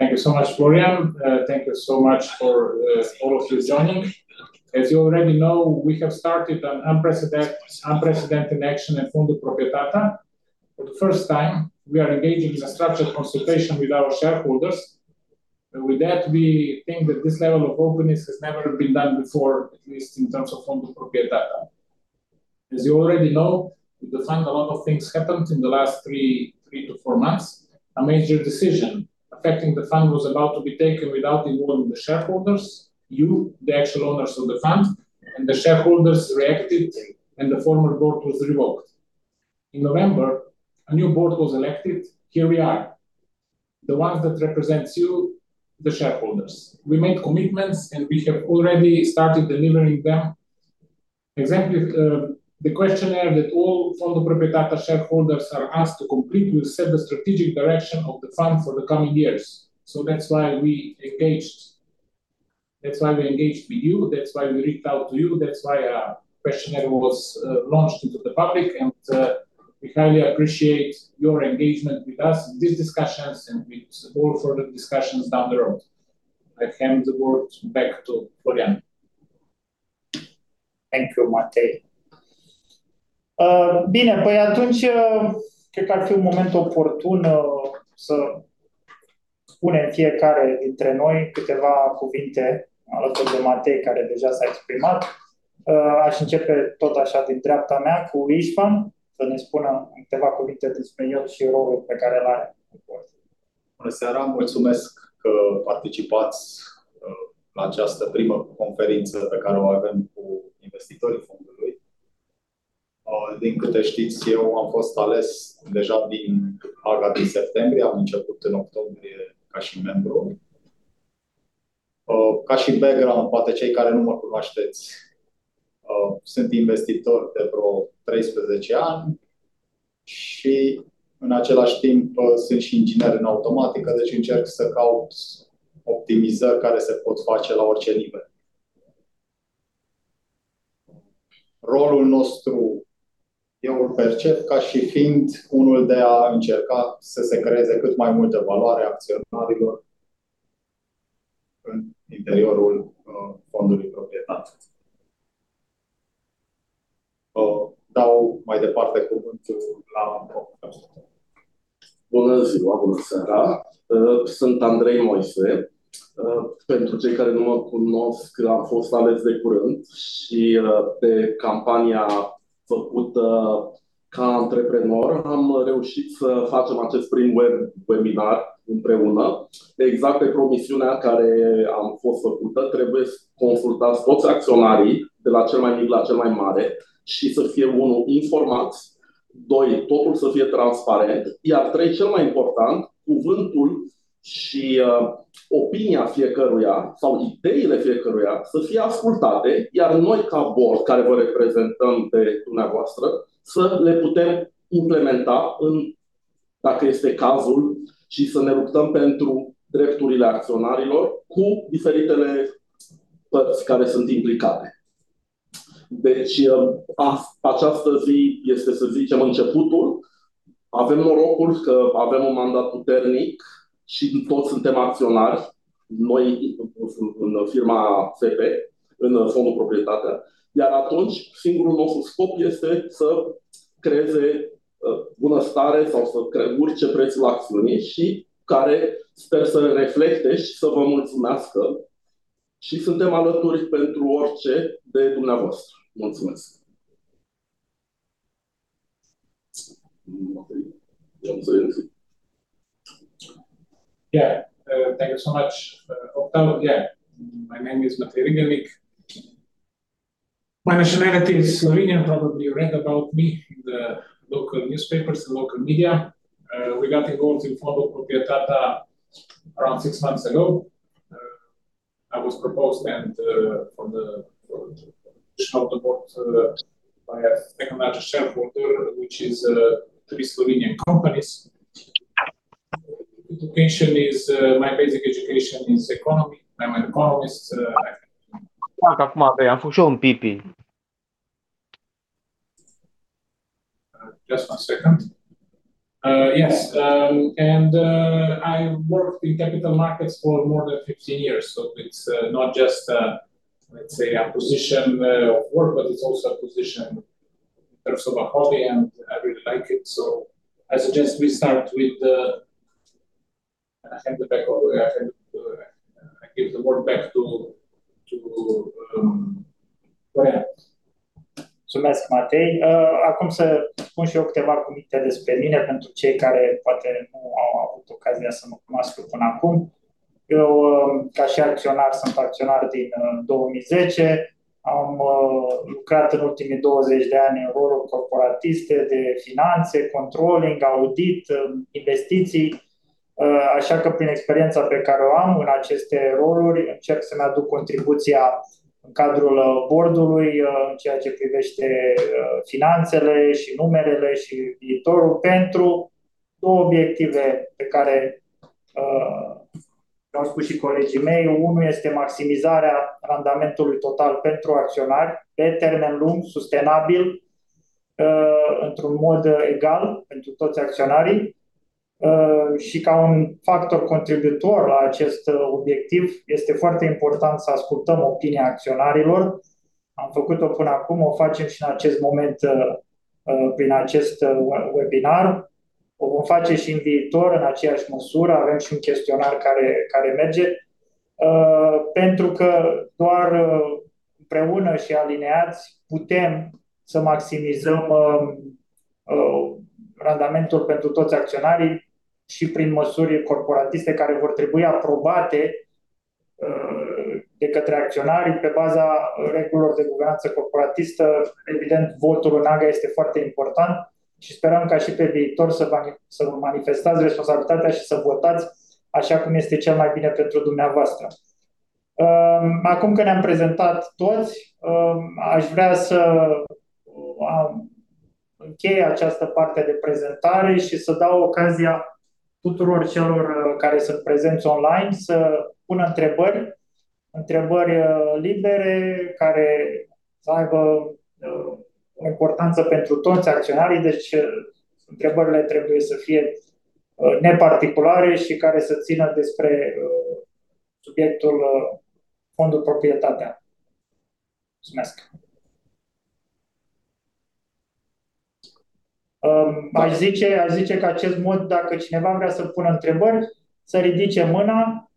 Thank you so much, Florian. Thank you so much for all of you joining. As you already know, we have started an unprecedented action at Fondul Proprietate. For the first time, we are engaging in a structured consultation with our shareholders. With that, we think that this level of openness has never been done before, at least in terms of Fondul Proprietate. As you already know, the fund—a lot of things happened in the last three to four months. A major decision affecting the fund was about to be taken without involving the shareholders, you, the actual owners of the fund, and the shareholders reacted, and the former board was revoked. In November, a new board was elected. Here we are, the ones that represent you, the shareholders. We made commitments, and we have already started delivering them. The questionnaire that all Fondu Proprietate Caspar shareholders are asked to complete will set the strategic direction of the fund for the coming years. That's why we engaged. That's why we engaged with you. That's why we reached out to you. That's why a questionnaire was launched into the public. We highly appreciate your engagement with us in these discussions and with all further discussions down the road. I hand the word back to Florian. Thank you, Matei. Bine, păi atunci cred că ar fi un moment oportun să spunem fiecare dintre noi câteva cuvinte alături de Matei, care deja s-a exprimat. Aș începe tot așa, din dreapta mea, cu István, să ne spună în câteva cuvinte despre el și rolul pe care îl are în fond. Bună seara, mulțumesc că participați la această primă conferință pe care o avem cu investitorii fondului. Din câte știți, eu am fost ales deja din Haga din septembrie. Am început în octombrie ca și membru. Ca și background, poate cei care nu mă cunoașteți, sunt investitor de vreo 13 ani și, în același timp, sunt și inginer în automatică, deci încerc să caut optimizări care se pot face la orice nivel. Rolul nostru eu îl percep ca și fiind unul de a încerca să se creeze cât mai multă valoare a acționarilor în interiorul Fondului Proprietate. Dau mai departe cuvântul la... Bună ziua, bună seara. Sunt Andrei Moise. Pentru cei care nu mă cunosc, am fost ales de curând și, pe campania făcută ca antreprenor, am reușit să facem acest prim webinar împreună. Exact pe promisiunea care a fost făcută, trebuie să consultați toți acționarii, de la cel mai mic la cel mai mare, și să fie: 1) informați, 2) totul să fie transparent, iar 3) cel mai important, cuvântul și opinia fiecăruia sau ideile fiecăruia să fie ascultate, iar noi, ca board care vă reprezentăm pe dumneavoastră, să le putem implementa, dacă este cazul, și să ne luptăm pentru drepturile acționarilor cu diferitele părți care sunt implicate. Deci, această zi este, să zicem, începutul. Avem norocul că avem un mandat puternic și toți suntem acționari noi în firma FP, în Fondul Proprietatea, iar atunci singurul nostru scop este să creeze bunăstare sau să urce prețul acțiunii și care sper să reflecte și să vă mulțumească. Și suntem alături pentru orice de dumneavoastră. Mulțumesc. Yeah, thank you so much. Octav, yeah, my name is Matei Rigelnik. My nationality is Slovenian. Probably you read about me in the local newspapers and local media. We got involved in Fondul Proprietatea around six months ago. I was proposed for the position of the board by a second largest shareholder, which is three Slovenian companies. My basic education is economy. I'm an economist. Fac acum, păi am făcut și eu un PIP. Just one second. Yes, and I worked in capital markets for more than 15 years, so it's not just, let's say, a position of work, but it's also a position in terms of a hobby, and I really like it. I suggest we start with the... I give the word back to Florian. Mulțumesc, Matei. Acum să spun și eu câteva cuvinte despre mine pentru cei care poate nu au avut ocazia să mă cunoască până acum. Eu, ca și acționar, sunt acționar din 2010. Am lucrat în ultimii 20 de ani în roluri corporatiste de finanțe, controlling, audit, investiții. Așa că, prin experiența pe care o am în aceste roluri, încerc să-mi aduc contribuția în cadrul board-ului în ceea ce privește finanțele și numerele și viitorul pentru două obiective pe care le-au spus și colegii mei. Unul este maximizarea randamentului total pentru acționari pe termen lung, sustenabil, într-un mod egal pentru toți acționarii. Și, ca un factor contribuitor la acest obiectiv, este foarte important să ascultăm opinia acționarilor. Am făcut-o până acum, o facem și în acest moment prin acest webinar. O vom face și în viitor în aceeași măsură. Avem și un chestionar care merge. Pentru că doar împreună și aliniați putem să maximizăm randamentul pentru toți acționarii și prin măsuri corporatiste care vor trebui aprobate de către acționari pe baza regulilor de guvernanță corporatistă. Evident, votul în Haga este foarte important și sperăm ca și pe viitor să vă manifestați responsabilitatea și să votați așa cum este cel mai bine pentru dumneavoastră. Acum că ne-am prezentat toți, aș vrea să închei această parte de prezentare și să dau ocazia tuturor celor care sunt prezenți online să pună întrebări, întrebări libere care să aibă o importanță pentru toți acționarii. Deci, întrebările trebuie să fie neparticulare și care să țină despre subiectul Fondul Proprietatea. Mulțumesc. Aș zice că acest mod, dacă cineva vrea să pună întrebări, să ridice mâna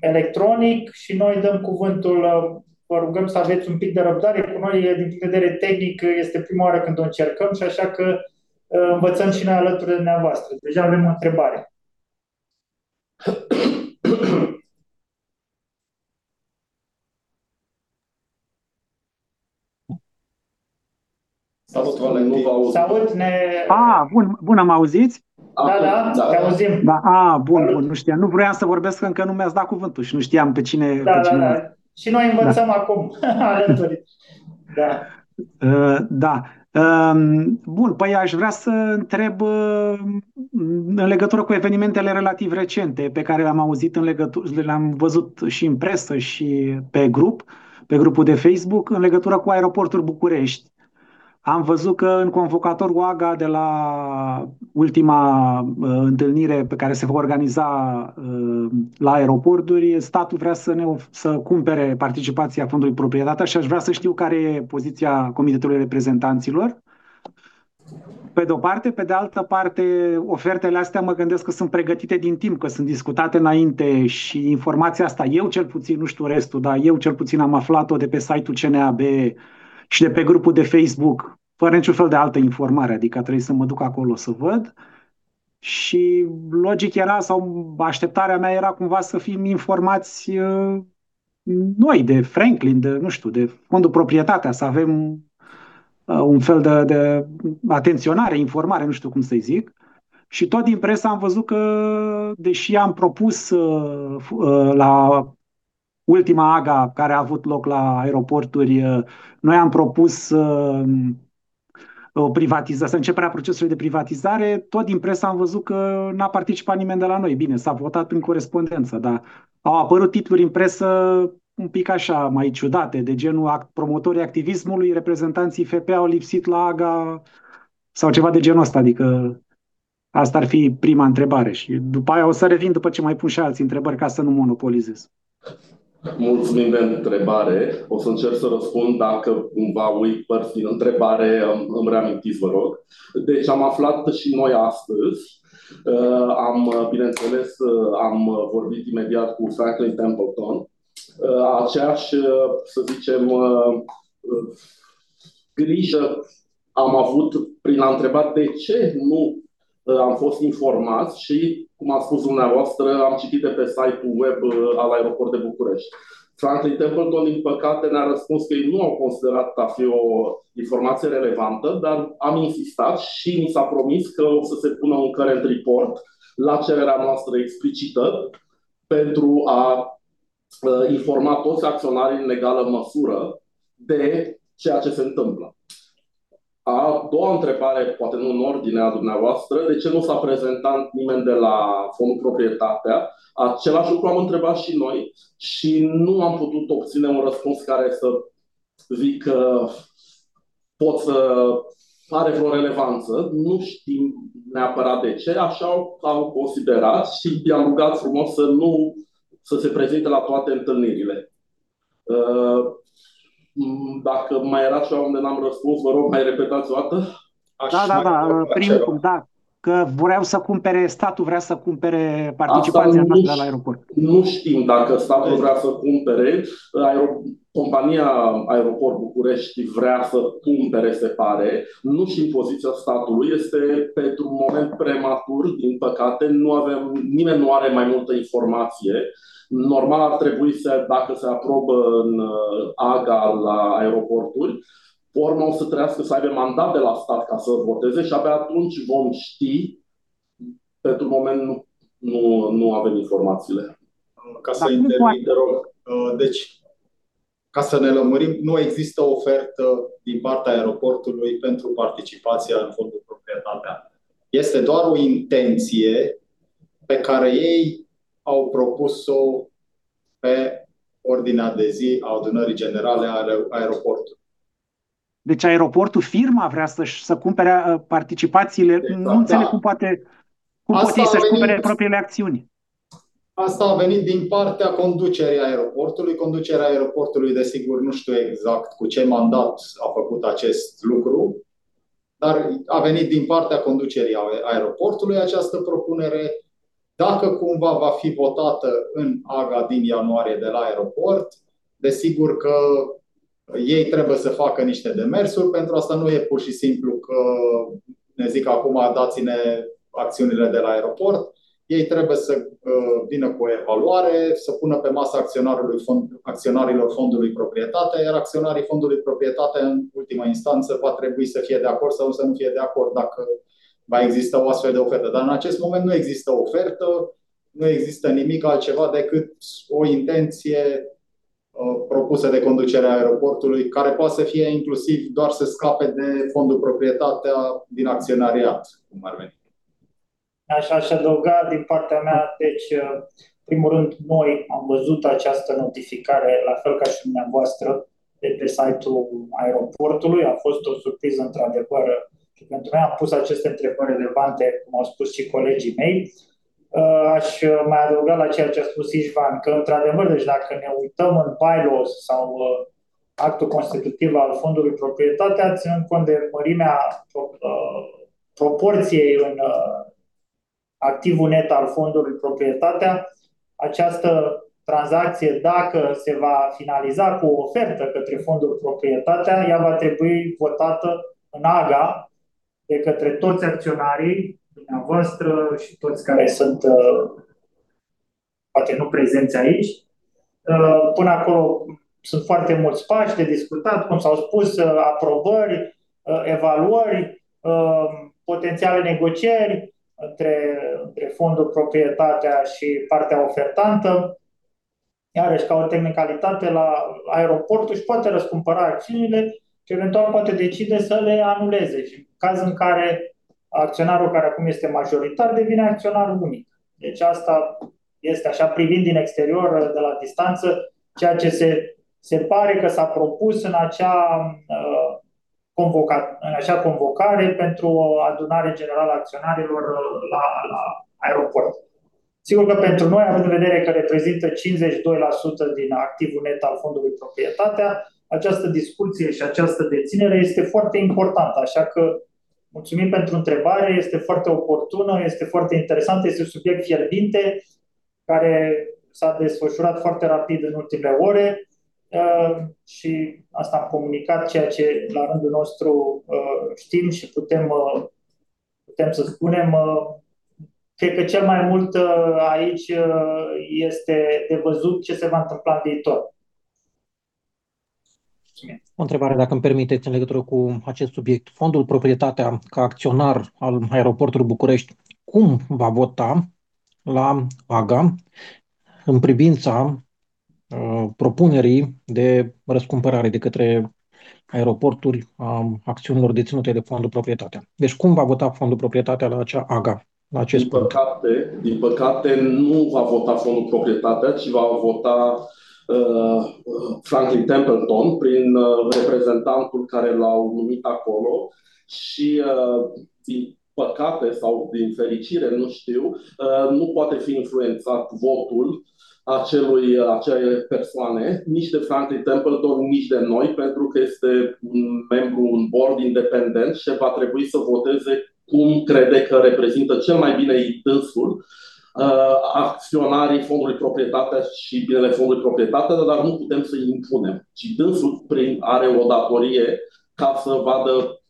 electronic și noi dăm cuvântul. Vă rugăm să aveți un pic de răbdare cu noi. Din punct de vedere tehnic, este prima oară când o încercăm și așa că învățăm și noi alături de dumneavoastră. Deja avem o întrebare. Salut, Valeri! Nu vă aud. Salut! Ne! A, bun! Bun, am auzit! Da, da, te auzim! A, bun, bun! Nu știam, nu voiam să vorbesc încă, nu mi-ați dat cuvântul și nu știam pe cine văd. Și noi învățăm acum, alături. Da, bun, păi aș vrea să întreb în legătură cu evenimentele relativ recente pe care le-am auzit, le-am văzut și în presă și pe grup, pe grupul de Facebook, în legătură cu Aeroporturi București. Am văzut că în convocatorul AGA de la ultima întâlnire pe care se va organiza la aeroporturi, statul vrea să cumpere participația Fondului Proprietatea și aș vrea să știu care e poziția Comitetului Reprezentanților. Pe de o parte. Pe de altă parte, ofertele astea mă gândesc că sunt pregătite din timp, că sunt discutate înainte și informația asta, eu cel puțin, nu știu restul, dar eu cel puțin am aflat-o de pe site-ul CNAB și de pe grupul de Facebook, fără niciun fel de altă informare. Adică a trebuit să mă duc acolo să văd și logic era, sau așteptarea mea era cumva să fim informați noi de Franklin, de nu știu, de Fondul Proprietatea, să avem un fel de atenționare, informare, nu știu cum să-i zic. Și tot din presă am văzut că, deși am propus la ultima AGA care a avut loc la aeroporturi, noi am propus să începem procesul de privatizare, tot din presă am văzut că n-a participat nimeni de la noi. Bine, s-a votat în corespondență, dar au apărut titluri în presă un pic așa mai ciudate, de genul "Promotorii activismului, reprezentanții FP au lipsit la AGA" sau ceva de genul ăsta. Adică asta ar fi prima întrebare și după aia o să revin, după ce mai pun și alte întrebări, ca să nu monopolizez. Mulțumim de întrebare. O să încerc să răspund, dacă cumva uit părți din întrebare, îmi reamintiți, vă rog. Deci, am aflat și noi astăzi, am, bineînțeles, am vorbit imediat cu Franklin Templeton. Aceeași, să zicem, grijă am avut prin a întreba de ce nu am fost informați și, cum ați spus dumneavoastră, am citit de pe site-ul web al Aeroportului București. Franklin Templeton, din păcate, ne-a răspuns că ei nu au considerat a fi o informație relevantă, dar am insistat și ni s-a promis că o să se pună un Current Report la cererea noastră explicită pentru a informa toți acționarii în egală măsură de ceea ce se întâmplă. A doua întrebare, poate nu în ordinea dumneavoastră, de ce nu s-a prezentat nimeni de la Fondul Proprietatea? Același lucru am întrebat și noi și nu am putut obține un răspuns care să zic că poate să aibă vreo relevanță. Nu știm neapărat de ce. Așa au considerat și i-am rugat frumos să nu se prezinte la toate întâlnirile. Dacă mai era ceva unde n-am răspuns, vă rog, mai repetați o dată. Da, da, da. Primul punct, da. Că vreau să cumpere, statul vrea să cumpere participația noastră la aeroport. Nu știm dacă statul vrea să cumpere. Compania Aeroport București vrea să cumpere, se pare. Nu știm poziția statului. Este pentru un moment prematur, din păcate. Nu avem, nimeni nu are mai multă informație. Normal ar trebui să, dacă se aprobă în AGA la aeroporturi, pe urmă o să trebuiască să aibă mandat de la stat ca să voteze și abia atunci vom ști. Pentru moment nu avem informațiile. Ca să intervin, te rog. Deci, ca să ne lămurim, nu există ofertă din partea aeroportului pentru participația în Fondul Proprietatea. Este doar o intenție pe care ei au propus-o pe ordinea de zi a adunării generale a aeroportului. Deci, aeroportul, firma vrea să-și cumpere participațiile. Nu înțeleg cum poate să-și cumpere propriile acțiuni. Aceasta a venit din partea conducerii aeroportului. Conducerea aeroportului, desigur, nu știu exact cu ce mandat a făcut acest lucru, dar a venit din partea conducerii aeroportului această propunere. Dacă cumva va fi votată în AGA din ianuarie de la aeroport, desigur că ei trebuie să facă niște demersuri. Pentru aceasta nu este pur și simplu că ne zic acum: "Dați-ne acțiunile de la aeroport." Ei trebuie să vină cu o evaluare, să pună pe masa acționarilor Fondului Proprietatea, iar acționarii Fondului Proprietatea, în ultimă instanță, va trebui să fie de acord sau să nu fie de acord dacă va exista o astfel de ofertă. Dar în acest moment nu există ofertă, nu există nimic altceva decât o intenție propusă de conducerea aeroportului, care poate să fie inclusiv doar să scape de Fondul Proprietatea din acționariat, cum ar veni. Aș adăuga din partea mea, deci, în primul rând, noi am văzut această notificare la fel ca și dumneavoastră de pe site-ul aeroportului. A fost o surpriză, într-adevăr, și pentru noi. Am pus aceste întrebări relevante, cum au spus și colegii mei. Aș mai adăuga la ceea ce a spus Ișvan, că, într-adevăr, deci, dacă ne uităm în Bylaw sau actul constitutiv al Fondului Proprietatea, ținând cont de mărimea proporției în activul net al Fondului Proprietatea, această tranzacție, dacă se va finaliza cu o ofertă către Fondul Proprietatea, ea va trebui votată în AGA de către toți acționarii dumneavoastră și toți care sunt, poate nu prezenți aici. Până acolo sunt foarte mulți pași de discutat, cum s-au spus, aprobări, evaluări, potențiale negocieri între Fondul Proprietatea și partea ofertantă. Iarăși, ca o tehnicalitate, la aeroport își poate răscumpăra acțiunile și eventual poate decide să le anuleze. Și, în cazul în care acționarul care acum este majoritar devine acționar unic. Deci, asta este așa, privind din exterior, de la distanță, ceea ce se pare că s-a propus în acea convocare pentru o adunare generală a acționarilor la aeroport. Sigur că pentru noi, având în vedere că reprezintă 52% din activul net al Fondului Proprietatea, această discuție și această deținere este foarte importantă. Așa că mulțumim pentru întrebare. Este foarte oportună, este foarte interesantă, este un subiect fierbinte care s-a desfășurat foarte rapid în ultimele ore și asta am comunicat, ceea ce, la rândul nostru, știm și putem să spunem. Cred că cel mai mult aici este de văzut ce se va întâmpla în viitor. O întrebare, dacă îmi permiteți, în legătură cu acest subiect: Fondul Proprietatea, ca acționar al Aeroportului București, cum va vota la AGA în privința propunerii de răscumpărare de către aeroporturi a acțiunilor deținute de Fondul Proprietatea? Deci, cum va vota Fondul Proprietatea la acea AGA, la acest punct? Din păcate, nu va vota Fondul Proprietatea, ci va vota Franklin Templeton prin reprezentantul care l-au numit acolo și, din păcate sau din fericire, nu știu, nu poate fi influențat votul acelei persoane, nici de Franklin Templeton, nici de noi, pentru că este un membru, un board independent și va trebui să voteze cum crede că reprezintă cel mai bine dânsul acționarii Fondului Proprietatea și binele Fondului Proprietatea, dar nu putem să-i impunem. Și dânsul are o datorie ca să vadă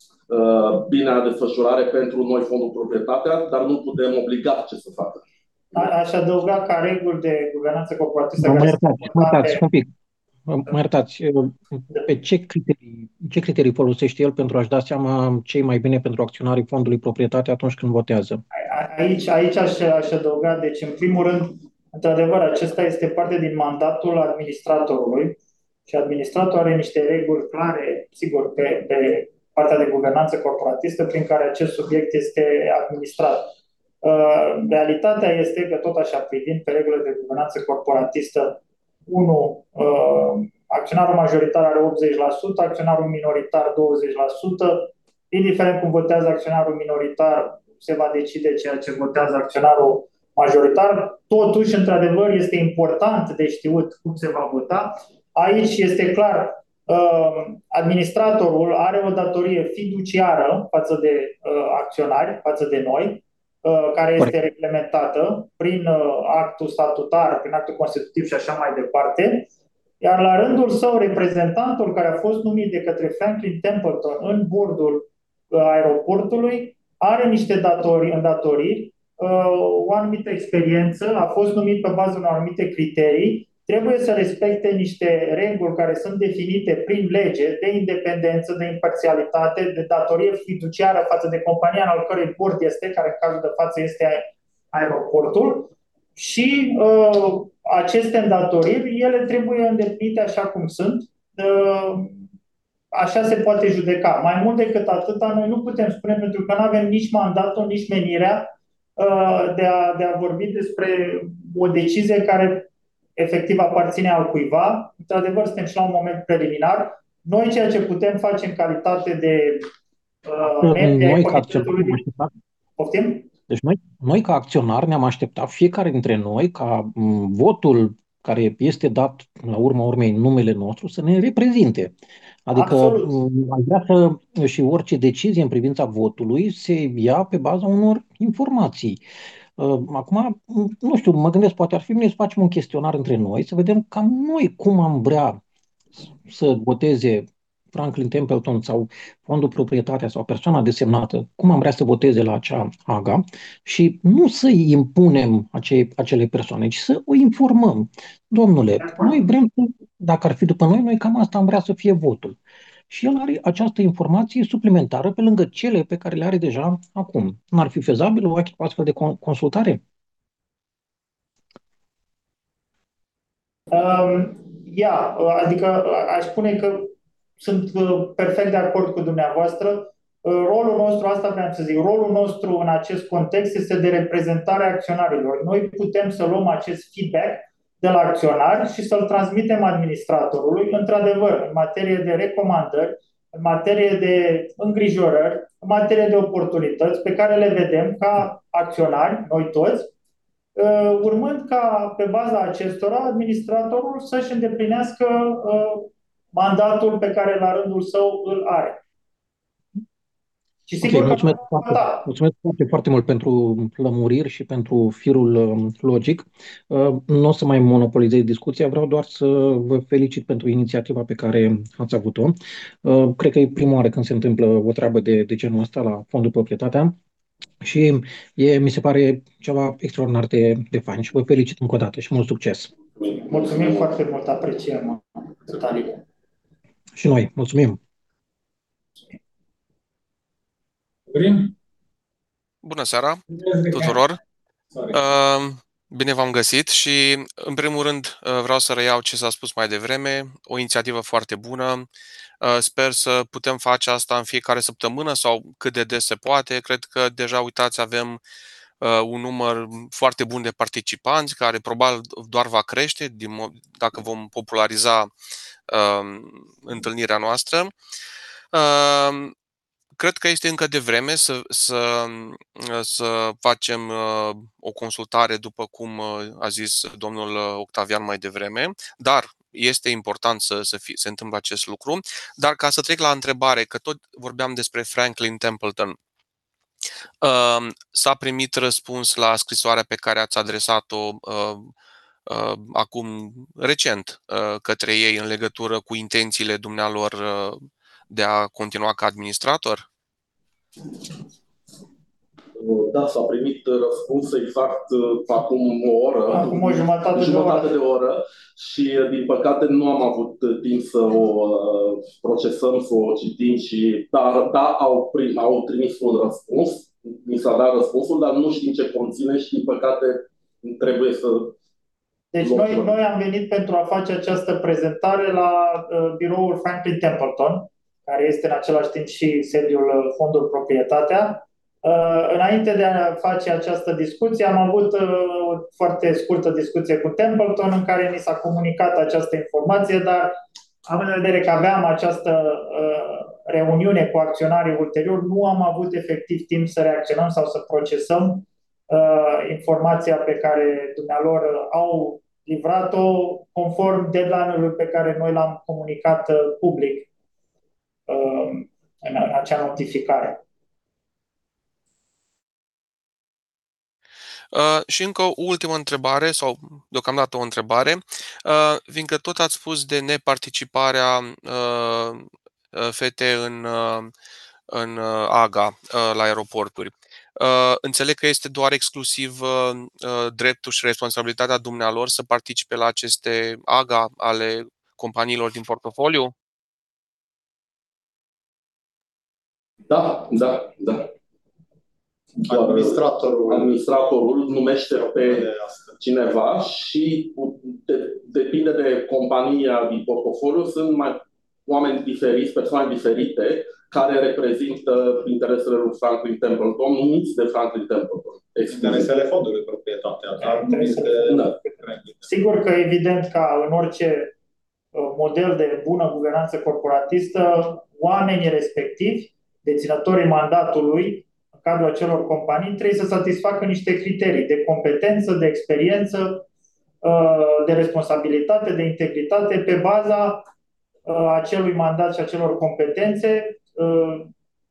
bine acea desfășurare pentru noi, Fondul Proprietatea, dar nu-l putem obliga ce să facă. Aș adăuga ca reguli de guvernanță corporatistă... Vă iert, un pic. Mă iert. Pe ce criterii folosește el pentru a-și da seama ce e mai bine pentru acționarii Fondului Proprietatea atunci când votează? Aici aș adăuga, deci, în primul rând, într-adevăr, acesta este parte din mandatul administratorului și administratorul are niște reguli clare, sigur, pe partea de guvernanță corporatistă prin care acest subiect este administrat. Realitatea este că, tot așa, privind pe regulile de guvernanță corporatistă, unu, acționarul majoritar are 80%, acționarul minoritar 20%. Indiferent cum votează acționarul minoritar, se va decide ceea ce votează acționarul majoritar. Totuși, într-adevăr, este important de știut cum se va vota. Aici este clar, administratorul are o datorie fiduciară față de acționari, față de noi, care este reglementată prin actul statutar, prin actul constitutiv și așa mai departe. Iar, la rândul său, reprezentantul care a fost numit de către Franklin Templeton în board-ul aeroportului are niște datorii, îndatoriri, o anumită experiență, a fost numit pe baza unor anumite criterii, trebuie să respecte niște reguli care sunt definite prin lege de independență, de imparțialitate, de datorie fiduciară față de compania în al cărei board este, care, în cazul de față, este aeroportul. Și aceste îndatoriri, ele trebuie îndeplinite așa cum sunt. Așa se poate judeca. Mai mult decât atât, noi nu putem spune, pentru că nu avem nici mandatul, nici menirea de a vorbi despre o decizie care efectiv aparține altcuiva. Într-adevăr, suntem și la un moment preliminar. Noi, ceea ce putem face în calitate de membri ai corpului... Noi ca acționari, ne-am aștepta fiecare dintre noi ca votul care este dat, la urma urmei, în numele nostru, să ne reprezinte. Adică aș vrea să... Și orice decizie în privința votului se ia pe baza unor informații. Acum, nu știu, mă gândesc, poate ar fi bine să facem un chestionar între noi, să vedem cam noi cum am vrea să voteze Franklin Templeton sau Fondul Proprietatea sau persoana desemnată, cum am vrea să voteze la acea AGA și nu să-i impunem acelei persoane, ci să o informăm. Domnule, noi vrem să... Dacă ar fi după noi, noi cam asta am vrea să fie votul. Și el are această informație suplimentară pe lângă cele pe care le are deja acum. N-ar fi fezabilă o astfel de consultare? Da. Adică aș spune că sunt perfect de acord cu dumneavoastră. Rolul nostru, asta voiam să zic, rolul nostru în acest context este de reprezentare a acționarilor. Noi putem să luăm acest feedback de la acționari și să-l transmitem administratorului, într-adevăr, în materie de recomandări, în materie de îngrijorări, în materie de oportunități pe care le vedem ca acționari, noi toți, urmând ca, pe baza acestora, administratorul să-și îndeplinească mandatul pe care, la rândul său, îl are. Și sigur că... Vă mulțumesc foarte mult pentru lămuriri și pentru firul logic. Nu o să mai monopolizez discuția, vreau doar să vă felicit pentru inițiativa pe care ați avut-o. Cred că e prima oară când se întâmplă o treabă de genul ăsta la Fondul Proprietatea și mi se pare ceva extraordinar de fain și vă felicit încă o dată și mult succes. Mulțumim foarte mult, apreciem detaliile. Și noi mulțumim. Bună seara tuturor. Bine v-am găsit și, în primul rând, vreau să reiau ce s-a spus mai devreme. O inițiativă foarte bună. Sper să putem face asta în fiecare săptămână sau cât de des se poate. Cred că deja, uitați, avem un număr foarte bun de participanți care probabil doar va crește dacă vom populariza întâlnirea noastră. Cred că este încă devreme să facem o consultare, după cum a zis domnul Octavian mai devreme, dar este important să se întâmple acest lucru. Dar, ca să trec la întrebare, că tot vorbeam despre Franklin Templeton, s-a primit răspuns la scrisoarea pe care ați adresat-o acum recent către ei în legătură cu intențiile dumnealor de a continua ca administrator? Da, s-a primit răspuns exact acum o oră. Acum o jumătate de oră. O jumătate de oră și, din păcate, nu am avut timp să o procesăm, să o citim și... Dar au trimis un răspuns, ni s-a dat răspunsul, dar nu știm ce conține și, din păcate, trebuie să... Deci, noi am venit pentru a face această prezentare la biroul Franklin Templeton, care este, în același timp, și sediul Fondului Proprietatea. Înainte de a face această discuție, am avut o foarte scurtă discuție cu Templeton, în care ni s-a comunicat această informație, dar, având în vedere că aveam această reuniune cu acționarii ulterior, nu am avut efectiv timp să reacționăm sau să procesăm informația pe care dumnealor au livrat-o conform deadline-ului pe care noi l-am comunicat public în acea notificare. Și încă o ultimă întrebare sau, deocamdată, o întrebare. Fiindcă tot ați spus de neparticiparea FT în AGA la aeroporturi, înțeleg că este doar exclusiv dreptul și responsabilitatea dumneavoastră să participați la aceste AGA ale companiilor din portofoliu? Da, da, da. Administratorul numește pe cineva și, depinde de compania din portofoliu, sunt mai mulți oameni diferiți, persoane diferite, care reprezintă interesele lui Franklin Templeton, numiți de Franklin Templeton. Interesele Fondului Proprietatea. Sigur că, evident, ca în orice model de bună guvernanță corporatistă, oamenii respectivi, deținătorii mandatului în cadrul acelor companii, trebuie să satisfacă niște criterii de competență, de experiență, de responsabilitate, de integritate, pe baza acelui mandat și acelor competențe.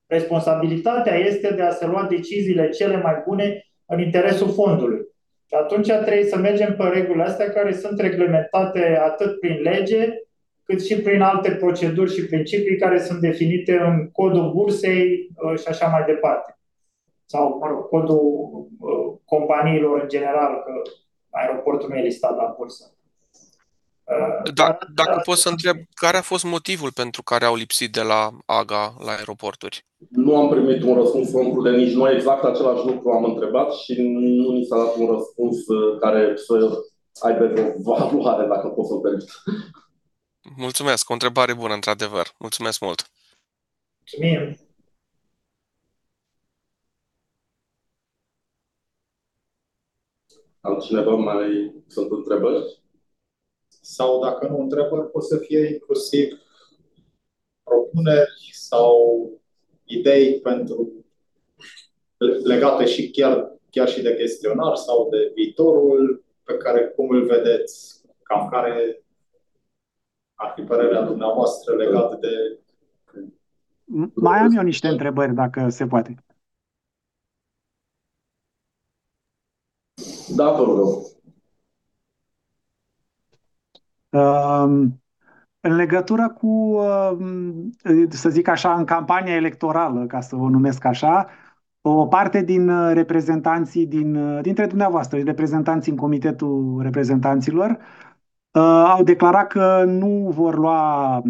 Responsabilitatea este de a se lua deciziile cele mai bune în interesul fondului. Și atunci trebuie să mergem pe regulile astea care sunt reglementate atât prin lege, cât și prin alte proceduri și principii care sunt definite în Codul Bursei și așa mai departe. Sau, mă rog, Codul companiilor în general, că aeroportul nu e listat la bursă. Dacă pot să întreb, care a fost motivul pentru care au lipsit de la AGA la aeroporturi? Nu am primit un răspuns, domnul Bruner, nici noi exact același lucru am întrebat și nu ni s-a dat un răspuns care să aibă vreo valoare, dacă pot să-l permit. Mulțumesc. O întrebare bună, într-adevăr. Mulțumesc mult. Mulțumim. Altcineva mai sunt întrebări? Sau, dacă nu întrebări, pot să fie inclusiv propuneri sau idei legate și chiar și de chestionar sau de viitorul pe care cum îl vedeți, cam care ar fi părerea dumneavoastră legată de... Mai am eu niște întrebări, dacă se poate. Da, vă rog. În legătură cu, să zic așa, în campania electorală, ca să vă numesc așa, o parte din reprezentanții din dintre dumneavoastră, reprezentanții în comitetul reprezentanților, au declarat că nu vor lua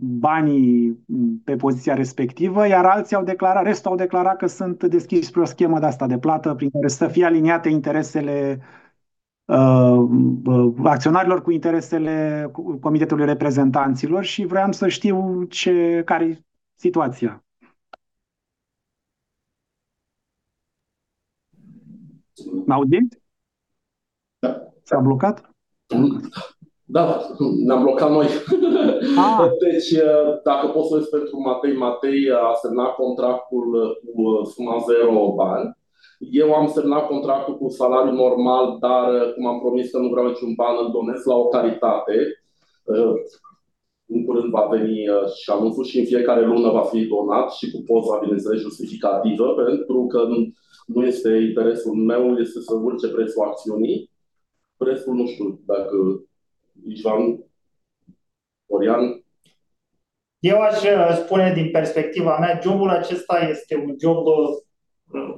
banii pe poziția respectivă, iar alții au declarat, restul au declarat că sunt deschiși spre o schemă de plată prin care să fie aliniate interesele acționarilor cu interesele comitetului reprezentanților și voiam să știu care e situația. Ne auzim? Da. S-a blocat? Da, ne-am blocat noi. Deci, dacă pot să o ies pentru Matei, Matei a semnat contractul cu suma zero bani. Eu am semnat contractul cu salariu normal, dar cum am promis că nu vreau niciun ban, îl donez la o caritate. În curând va veni și anunțul și în fiecare lună va fi donat și cu poza, bineînțeles, justificativă, pentru că nu este interesul meu, este să urce prețul acțiunii. Restul nu știu dacă Ișvan, Orian. Eu aș spune, din perspectiva mea, jobul acesta este un job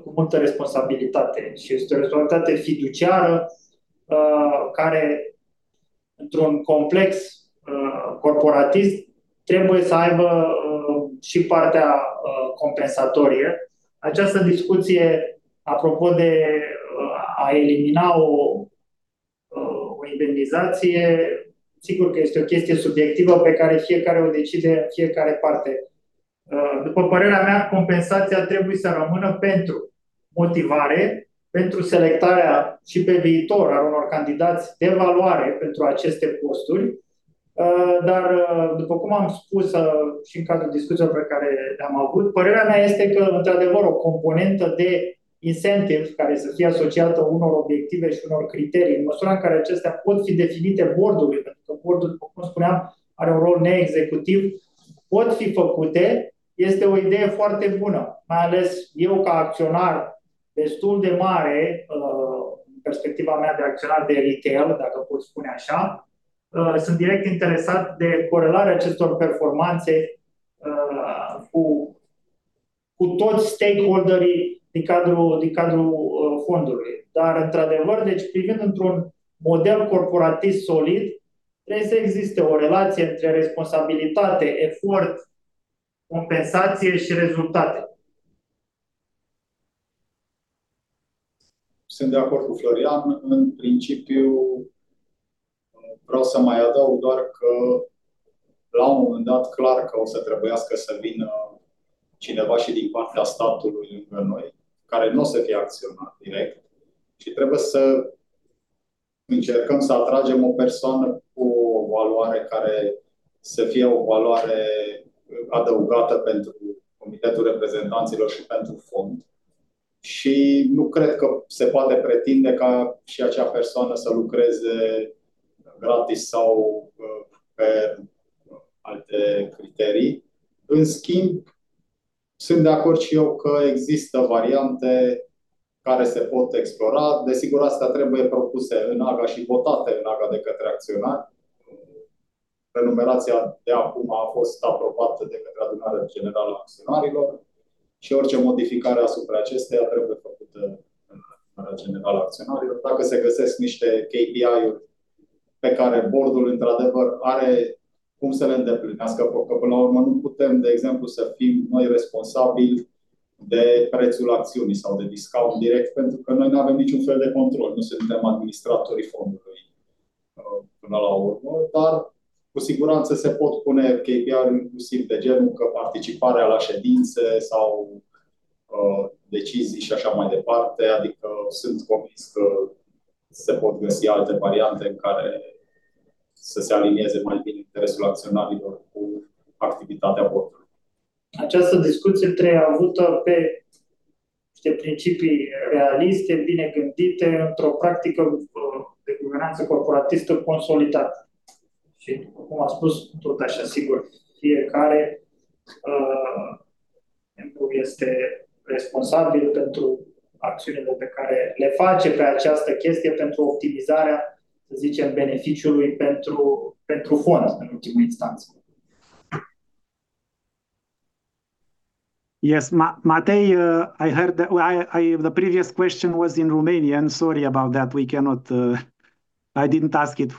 cu multă responsabilitate și este o responsabilitate fiduciară care, într-un complex corporatist, trebuie să aibă și partea compensatorie. Această discuție, apropo de a elimina o indemnizație, sigur că este o chestie subiectivă pe care fiecare o decide în fiecare parte. După părerea mea, compensația trebuie să rămână pentru motivare, pentru selectarea și pe viitor a unor candidați de valoare pentru aceste posturi, dar, după cum am spus și în cadrul discuțiilor pe care le-am avut, părerea mea este că, într-adevăr, o componentă de incentive care să fie asociată unor obiective și unor criterii, în măsura în care acestea pot fi definite board-ului, pentru că board-ul, după cum spuneam, are un rol neexecutiv, pot fi făcute, este o idee foarte bună. Mai ales eu, ca acționar destul de mare, din perspectiva mea de acționar de retail, dacă pot spune așa, sunt direct interesat de corelarea acestor performanțe cu toți stakeholderii din cadrul fondului. Dar, într-adevăr, deci, privind într-un model corporatist solid, trebuie să existe o relație între responsabilitate, efort, compensație și rezultate. Sunt de acord cu Florian. În principiu, vreau să mai adaug doar că, la un moment dat, clar că o să trebuiască să vină cineva și din partea statului lângă noi, care nu o să fie acționar direct, și trebuie să încercăm să atragem o persoană cu o valoare care să fie o valoare adăugată pentru comitetul reprezentanților și pentru fond. Și nu cred că se poate pretinde ca și acea persoană să lucreze gratis sau pe alte criterii. În schimb, sunt de acord și eu că există variante care se pot explora. Desigur, astea trebuie propuse în AGA și votate în AGA de către acționari. Remunerația de acum a fost aprobată de către Adunarea Generală a Acționarilor și orice modificare asupra acesteia trebuie făcută în Adunarea Generală a Acționarilor. Dacă se găsesc niște KPI-uri pe care board-ul, într-adevăr, are cum să le îndeplinească, că până la urmă nu putem, de exemplu, să fim noi responsabili de prețul acțiunii sau de discount direct, pentru că noi nu avem niciun fel de control, nu suntem administratorii fondului, până la urmă. Dar, cu siguranță, se pot pune KPI-uri inclusiv de genul că participarea la ședințe sau decizii și așa mai departe. Adică sunt convins că se pot găsi alte variante în care să se alinieze mai bine interesul acționarilor cu activitatea board-ului. Această discuție trebuie avută pe niște principii realiste, bine gândite, într-o practică de guvernanță corporatistă consolidată. Și, după cum a spus, tot așa, sigur, fiecare membru este responsabil pentru acțiunile pe care le face pe această chestie, pentru optimizarea, să zicem, a beneficiului pentru fond, în ultimă instanță. Yes, Matei, I heard that the previous question was in Romanian. Sorry about that. I didn't ask it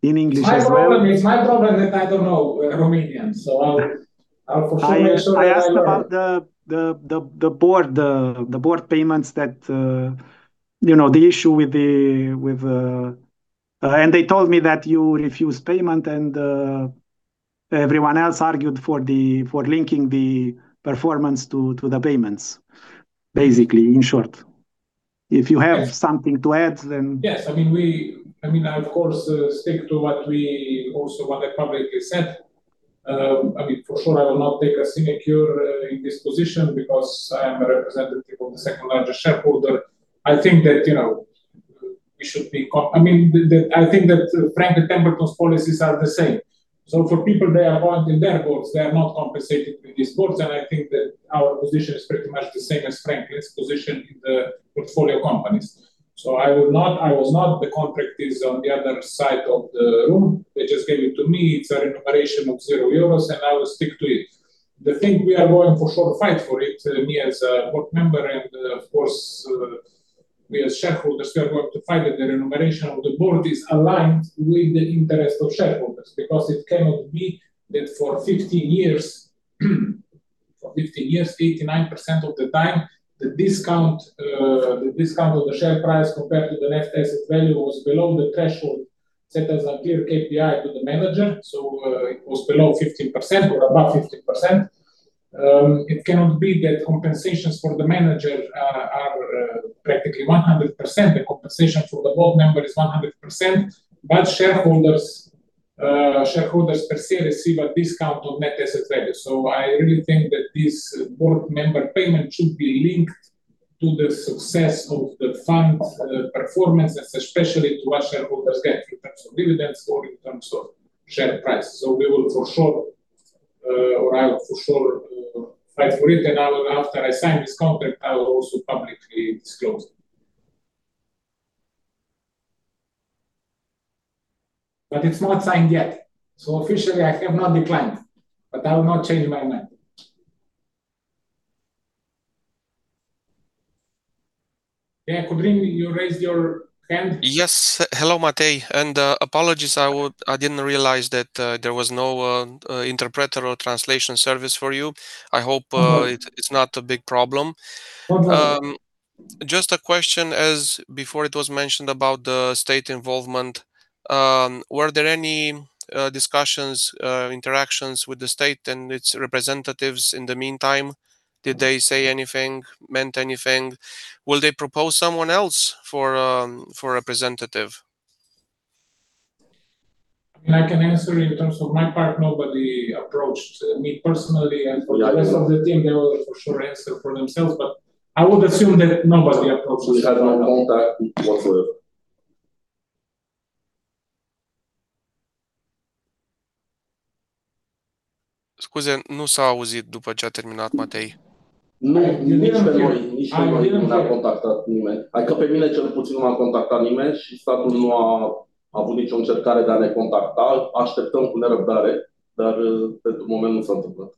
in English as well. It's my problem that I don't know Romanian. Sorry about the board payments that, you know, the issue with the... They told me that you refused payment and everyone else argued for linking the performance to the payments, basically, in short. If you have something to add, then... Yes, I mean, of course, stick to what we also publicly said. I mean, for sure, I will not take a signature in this position because I am a representative of the second largest shareholder. I think that, you know, we should be... I mean, I think that Franklin Templeton's policies are the same. So, for people, they are bound in their boards. They are not compensated with these boards. I think that our position is pretty much the same as Franklin's position in the portfolio companies. So, I was not the contractor on the other side of the room. They just gave it to me. It's a remuneration of €0 and I will stick to it. The thing we are going for sure to fight for it, me as a board member and, of course, we as shareholders, we are going to fight that the remuneration of the board is aligned with the interest of shareholders because it cannot be that for 15 years, for 15 years, 89% of the time, the discount of the share price compared to the net asset value was below the threshold set as a clear KPI to the manager. It was below 15% or above 15%. It cannot be that compensations for the manager are practically 100%. The compensation for the board member is 100%, but shareholders per se receive a discount of net asset value. I really think that this board member payment should be linked to the success of the fund's performance and especially to what shareholders get in terms of dividends or in terms of share price. We will for sure, or I will for sure fight for it. And after I sign this contract, I will also publicly disclose. But it's not signed yet. Officially, I have not declined, but I will not change my mind. Yeah, Codrine, you raised your hand. Yes. Hello, Matei. Apologies, I didn't realize that there was no interpreter or translation service for you. I hope it's not a big problem. Just a question, as before it was mentioned about the state involvement, were there any discussions, interactions with the state and its representatives in the meantime? Did they say anything, mean anything? Will they propose someone else for a representative? I can answer in terms of my part, nobody approached me personally. For the rest of the team, they will for sure answer for themselves. But I would assume that nobody approached me. We had no contact. One word. Scuzați, nu s-a auzit după ce a terminat Matei. Nu, nici pe noi niciunul nu ne-a contactat nimeni. Adică pe mine, cel puțin, nu m-a contactat nimeni și statul nu a avut nicio încercare de a ne contacta. Așteptăm cu nerăbdare, dar pentru moment nu s-a întâmplat.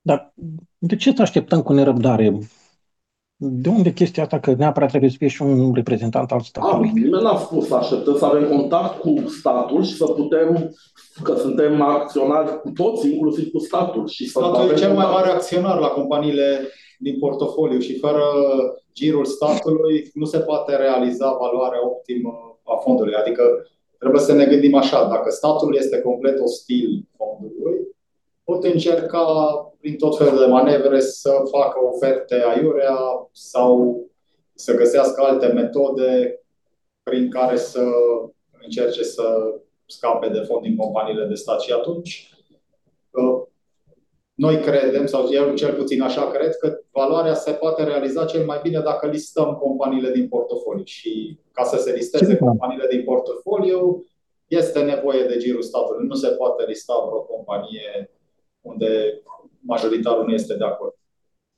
Dar de ce să așteptăm cu nerăbdare? De unde chestia asta că neapărat trebuie să fie și un reprezentant al statului? Nimeni n-a spus să așteptăm să avem contact cu statul și să putem, că suntem acționari cu toții, inclusiv cu statul, și să avem valoare. Suntem cel mai mare acționar la companiile din portofoliu și fără girul statului nu se poate realiza valoarea optimă a fondului. Adică trebuie să ne gândim așa: dacă statul este complet ostil fondului, pot încerca prin tot felul de manevre să facă oferte aiurea sau să găsească alte metode prin care să încerce să scape de fond din companiile de stat. Atunci noi credem, sau eu cel puțin așa cred, că valoarea se poate realiza cel mai bine dacă listăm companiile din portofoliu. Ca să se listeze companiile din portofoliu, este nevoie de girul statului. Nu se poate lista vreo companie unde majoritarul nu este de acord.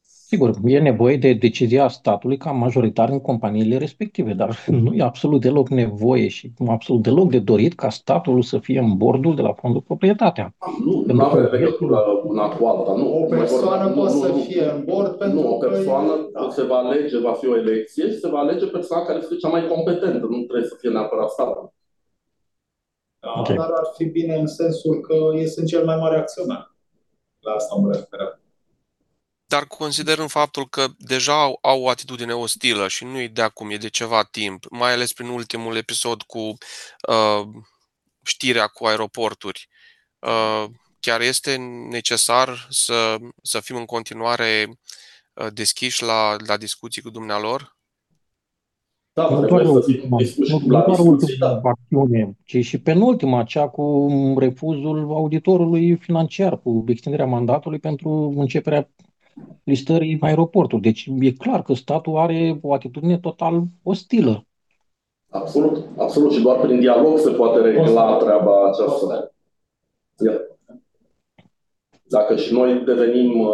Sigur, e nevoie de decizia statului ca majoritar în companiile respective, dar nu e absolut deloc nevoie și absolut deloc de dorit ca statul să fie în board-ul de la Fondul Proprietatea. Nu, nu are legătură una cu alta. Nu o persoană poate să fie în board pentru că. Nu, o persoană se va alege, va fi o elecție și se va alege persoana care este cea mai competentă. Nu trebuie să fie neapărat statul. Dar ar fi bine în sensul că ei sunt cel mai mare acționar. La asta mă refeream. Dar considerând faptul că deja au o atitudine ostilă și nu e de acum, e de ceva timp, mai ales prin ultimul episod cu știrea cu aeroporturile, chiar este necesar să fim în continuare deschiși la discuții cu dumnealor? Da, vă rog mult. Nu doar ultima acțiune, ci și penultima, cea cu refuzul auditorului financiar, cu extinderea mandatului pentru începerea listării aeroporturilor. Deci e clar că statul are o atitudine total ostilă. Absolut, absolut. Și doar prin dialog se poate regla treaba aceasta. Dacă și noi devenim,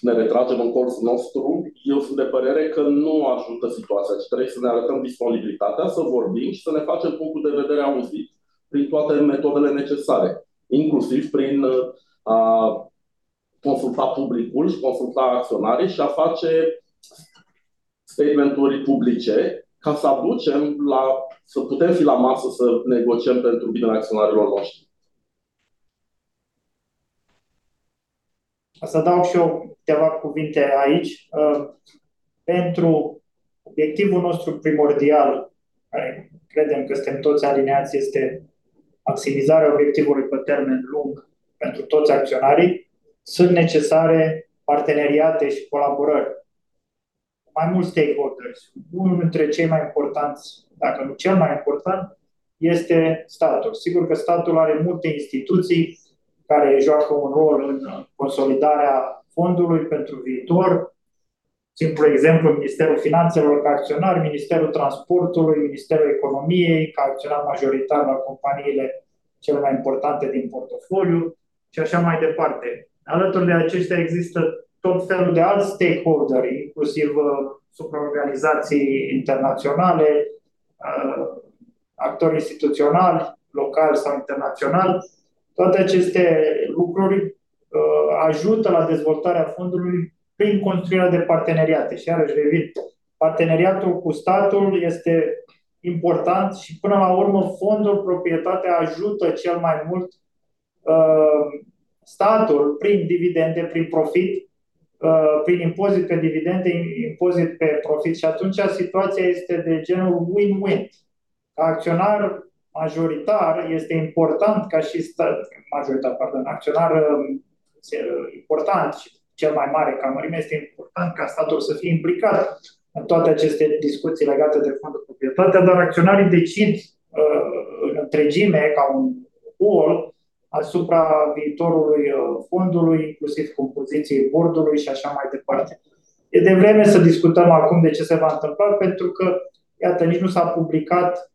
ne retragem în colțul nostru, eu sunt de părere că nu ajută situația. Ci trebuie să ne arătăm disponibilitatea să vorbim și să ne facem punctul de vedere auzit prin toate metodele necesare, inclusiv prin a consulta publicul și consulta acționarii și a face statement-uri publice ca să aducem la, să putem fi la masă, să negociem pentru binele acționarilor noștri. O să adaug și eu câteva cuvinte aici. Pentru obiectivul nostru primordial, care credem că suntem toți aliniați, este maximizarea obiectivului pe termen lung pentru toți acționarii, sunt necesare parteneriate și colaborări cu mai mulți stakeholderi. Unul dintre cei mai importanți, dacă nu cel mai important, este statul. Sigur că statul are multe instituții care joacă un rol în consolidarea fondului pentru viitor. Simplul exemplu: Ministerul Finanțelor ca acționar, Ministerul Transportului, Ministerul Economiei ca acționar majoritar la companiile cele mai importante din portofoliu și așa mai departe. Alături de aceștia există tot felul de alți stakeholderi, inclusiv supraorganizații internaționale, actori instituționali locali sau internaționali. Toate aceste lucruri ajută la dezvoltarea fondului prin construirea de parteneriate. Și iarăși revin, parteneriatul cu statul este important și, până la urmă, Fondul Proprietatea ajută cel mai mult statul prin dividende, prin profit, prin impozit pe dividende, impozit pe profit. Și atunci situația este de genul win-win. Ca acționar majoritar, este important ca și majoritar, pardon, acționar important și cel mai mare ca mărime este important ca statul să fie implicat în toate aceste discuții legate de Fondul Proprietatea, dar acționarii decid în întregime ca un rol asupra viitorului fondului, inclusiv compoziția board-ului și așa mai departe. E devreme să discutăm acum de ce se va întâmpla, pentru că, iată, nici nu s-a publicat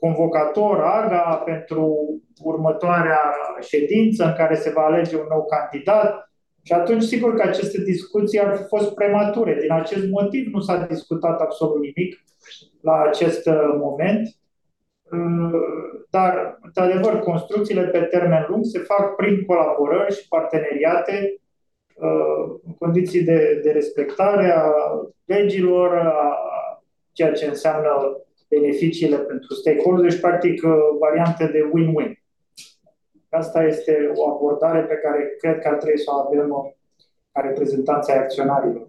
convocatorul AGA pentru următoarea ședință în care se va alege un nou candidat. Și atunci, sigur că aceste discuții ar fi fost premature. Din acest motiv, nu s-a discutat absolut nimic la acest moment. Dar, într-adevăr, construcțiile pe termen lung se fac prin colaborări și parteneriate, în condiții de respectare a legilor, a ceea ce înseamnă beneficiile pentru stakeholders. Deci, practic, variante de win-win. Aceasta este o abordare pe care cred că ar trebui să o avem ca reprezentanți ai acționarilor.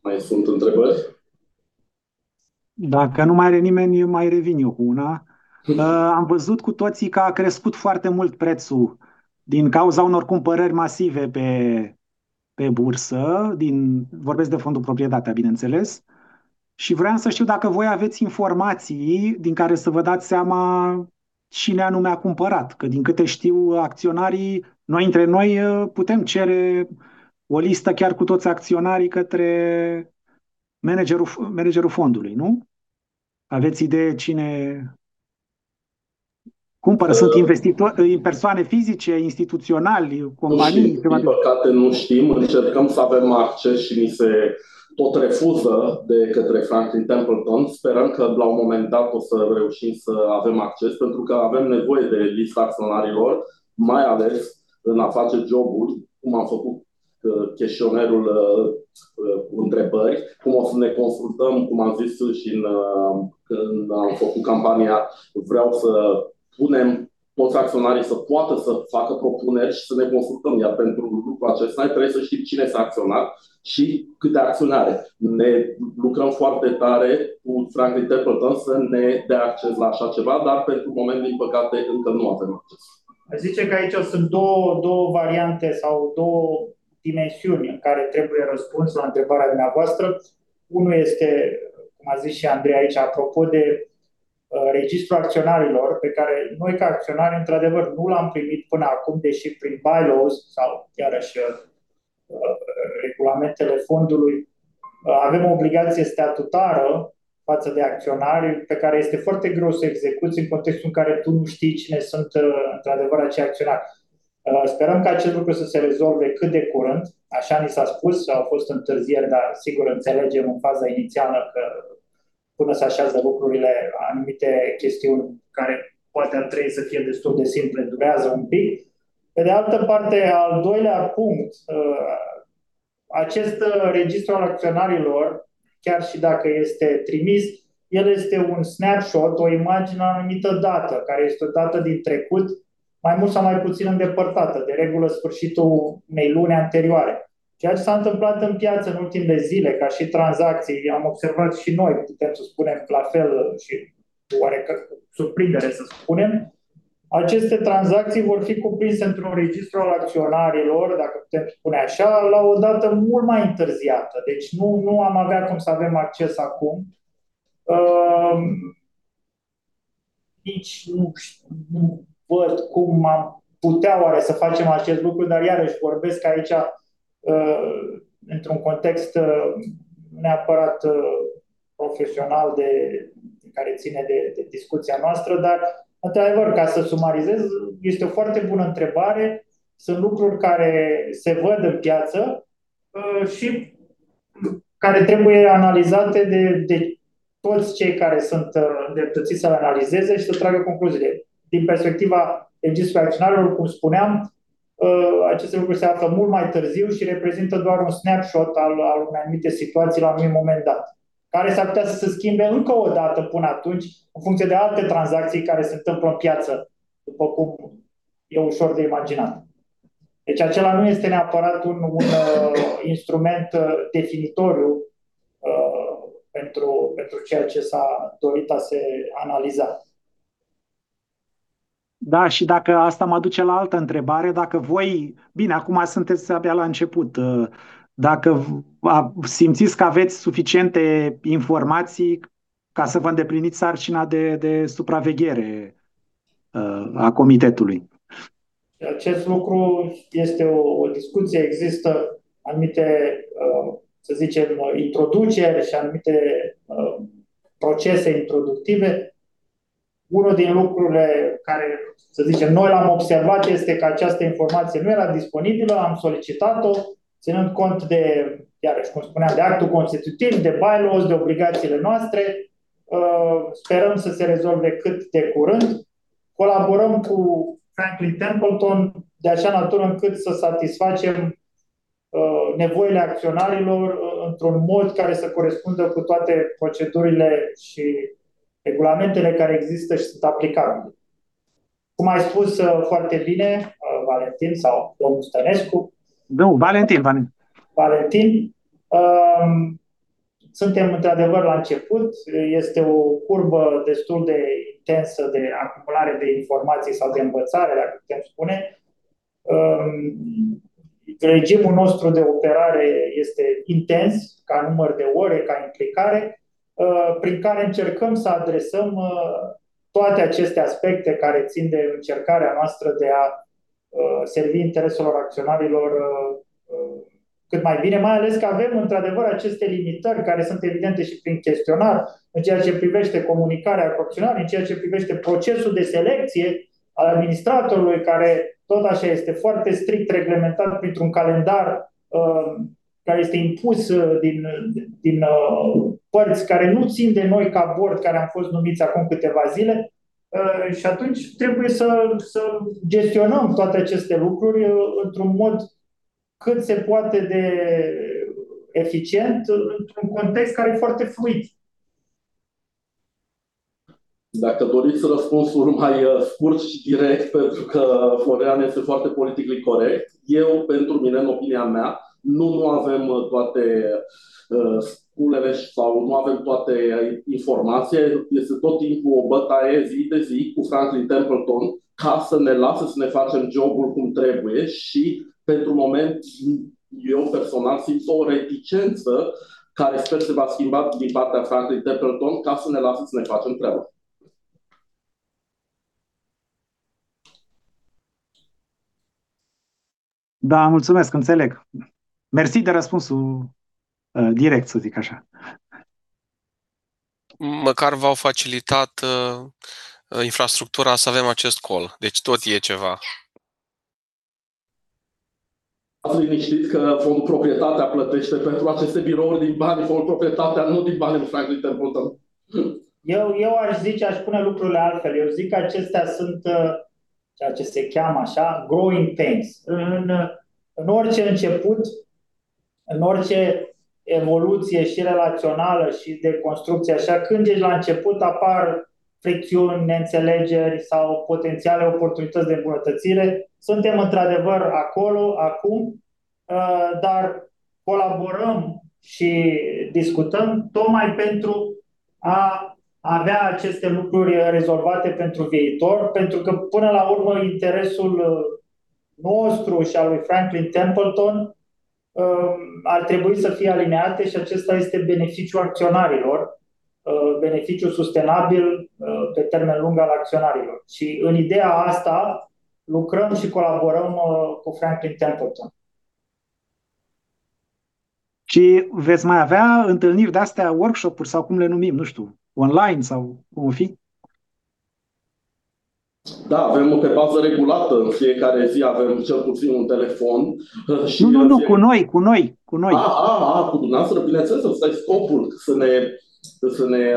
Mai sunt întrebări? Dacă nu mai are nimeni, mai revin eu cu una. Am văzut cu toții că a crescut foarte mult prețul din cauza unor cumpărări masive pe bursă, vorbesc de Fondul Proprietatea, bineînțeles. Și voiam să știu dacă voi aveți informații din care să vă dați seama cine anume a cumpărat. Că, din câte știu, acționarii, noi între noi putem cere o listă chiar cu toți acționarii către managerul fondului, nu? Aveți idee cine cumpără? Sunt persoane fizice, instituționali, companii? Din păcate, nu știm. Încercăm să avem acces și ni se tot refuză de către Franklin Templeton. Sperăm că, la un moment dat, o să reușim să avem acces, pentru că avem nevoie de lista acționarilor, mai ales în a face job-ul, cum am făcut chestionarul cu întrebări, cum o să ne consultăm, cum am zis și când am făcut campania, vreau să punem toți acționarii să poată să facă propuneri și să ne consultăm. Iar pentru lucrul acesta trebuie să știm cine sunt acționarii și câte acțiuni au. Ne luptăm foarte tare cu Franklin Templeton să ne dea acces la așa ceva, dar pentru moment, din păcate, încă nu avem acces. Aș zice că aici sunt două variante sau două dimensiuni în care trebuie răspuns la întrebarea dumneavoastră. Unul este, cum a zis și Andrei aici, apropo de registrul acționarilor, pe care noi, ca acționari, într-adevăr, nu l-am primit până acum, deși prin bylaws sau, iarăși, regulamentele fondului, avem o obligație statutară față de acționari, pe care este foarte greu să o execuți în contextul în care tu nu știi cine sunt, într-adevăr, acei acționari. Sperăm ca acest lucru să se rezolve cât de curând. Așa ni s-a spus. Au fost întârzieri, dar sigur înțelegem în faza inițială că, până se așează lucrurile, anumite chestiuni care poate ar trebui să fie destul de simple, durează un pic. Pe de altă parte, al doilea punct, acest registru al acționarilor, chiar și dacă este trimis, el este un snapshot, o imagine la o anumită dată, care este o dată din trecut, mai mult sau mai puțin îndepărtată, de regulă, sfârșitul unei luni anterioare. Ceea ce s-a întâmplat în piață în ultimele zile, ca și tranzacții, am observat și noi, putem să spunem la fel și oarecare surprindere, să spunem, aceste tranzacții vor fi cuprinse într-un registru al acționarilor, dacă putem spune așa, la o dată mult mai întârziată. Deci nu am avea cum să avem acces acum. Nici nu văd cum am putea oare să facem acest lucru, dar iarăși vorbesc aici într-un context neapărat profesional, de care ține de discuția noastră. Dar, într-adevăr, ca să sumarizez, este o foarte bună întrebare. Sunt lucruri care se văd în piață și care trebuie analizate de toți cei care sunt îndreptățiți să le analizeze și să tragă concluziile. Din perspectiva registrului acționarilor, cum spuneam, aceste lucruri se află mult mai târziu și reprezintă doar un snapshot al unei anumite situații la un anumit moment dat, care s-ar putea să se schimbe încă o dată până atunci, în funcție de alte tranzacții care se întâmplă în piață, după cum e ușor de imaginat. Deci acela nu este neapărat un instrument definitoriu pentru ceea ce s-a dorit a se analiza. Da, și dacă asta mă duce la altă întrebare, dacă voi, bine, acum sunteți abia la început, dacă simțiți că aveți suficiente informații ca să vă îndepliniți sarcina de supraveghere a comitetului. Și acest lucru este o discuție. Există anumite introduceri și anumite procese introductive. Unul din lucrurile care noi l-am observat este că această informație nu era disponibilă. Am solicitat-o, ținând cont de actul constitutiv, de bylaws, de obligațiile noastre. Sperăm să se rezolve cât de curând. Colaborăm cu Franklin Templeton de așa natură încât să satisfacem nevoile acționarilor într-un mod care să corespundă cu toate procedurile și regulamentele care există și sunt aplicabile. Cum ai spus foarte bine, Valentin sau domnul Stănescu? Nu, Valentin. Valentin. Suntem într-adevăr la început. Este o curbă destul de intensă de acumulare de informații sau de învățare, dacă putem spune. Regimul nostru de operare este intens ca număr de ore, ca implicare, prin care încercăm să adresăm toate aceste aspecte care țin de încercarea noastră de a servi intereselor acționarilor cât mai bine, mai ales că avem, într-adevăr, aceste limitări care sunt evidente și prin chestionar în ceea ce privește comunicarea cu acționarii, în ceea ce privește procesul de selecție al administratorului, care tot așa este foarte strict reglementat printr-un calendar care este impus din părți care nu țin de noi ca board, care am fost numiți acum câteva zile. Și atunci trebuie să gestionăm toate aceste lucruri într-un mod cât se poate de eficient, într-un context care e foarte fluid. Dacă doriți răspunsul mai scurt și direct, pentru că Florian este foarte politically correct, eu, pentru mine, în opinia mea, nu, nu avem toate sculele sau nu avem toate informațiile. Este tot timpul o bătaie zi de zi cu Franklin Templeton ca să ne lase să ne facem job-ul cum trebuie. Și pentru moment, eu personal simt o reticență care sper să se schimbe din partea Franklin Templeton ca să ne lase să ne facem treaba. Da, mulțumesc, înțeleg. Mersi de răspunsul direct, să zic așa. Măcar v-au facilitat infrastructura să avem acest call. Deci tot e ceva. Liniștiți-vă că Fondul Proprietatea plătește pentru aceste birouri din banii Fondului Proprietatea, nu din banii lui Franklin Templeton. Eu aș zice, aș pune lucrurile altfel. Eu zic că acestea sunt, ceea ce se cheamă așa, growing pains. În orice început, în orice evoluție și relațională și de construcție, așa, când ești la început, apar fricțiuni, neînțelegeri sau potențiale oportunități de îmbunătățire. Suntem într-adevăr acolo, acum, dar colaborăm și discutăm tocmai pentru a avea aceste lucruri rezolvate pentru viitor, pentru că, până la urmă, interesul nostru și al lui Franklin Templeton ar trebui să fie aliniate și acesta este beneficiul acționarilor, beneficiul sustenabil pe termen lung al acționarilor. Și în ideea asta lucrăm și colaborăm cu Franklin Templeton. Și veți mai avea întâlniri de-astea, workshop-uri sau cum le numim, nu știu, online sau cum o fi? Da, avem pe bază regulată, în fiecare zi avem cel puțin un telefon. Nu, nu, cu noi, cu noi, cu noi. A, a, a, cu dumneavoastră, bineînțeles. Acesta este scopul, să ne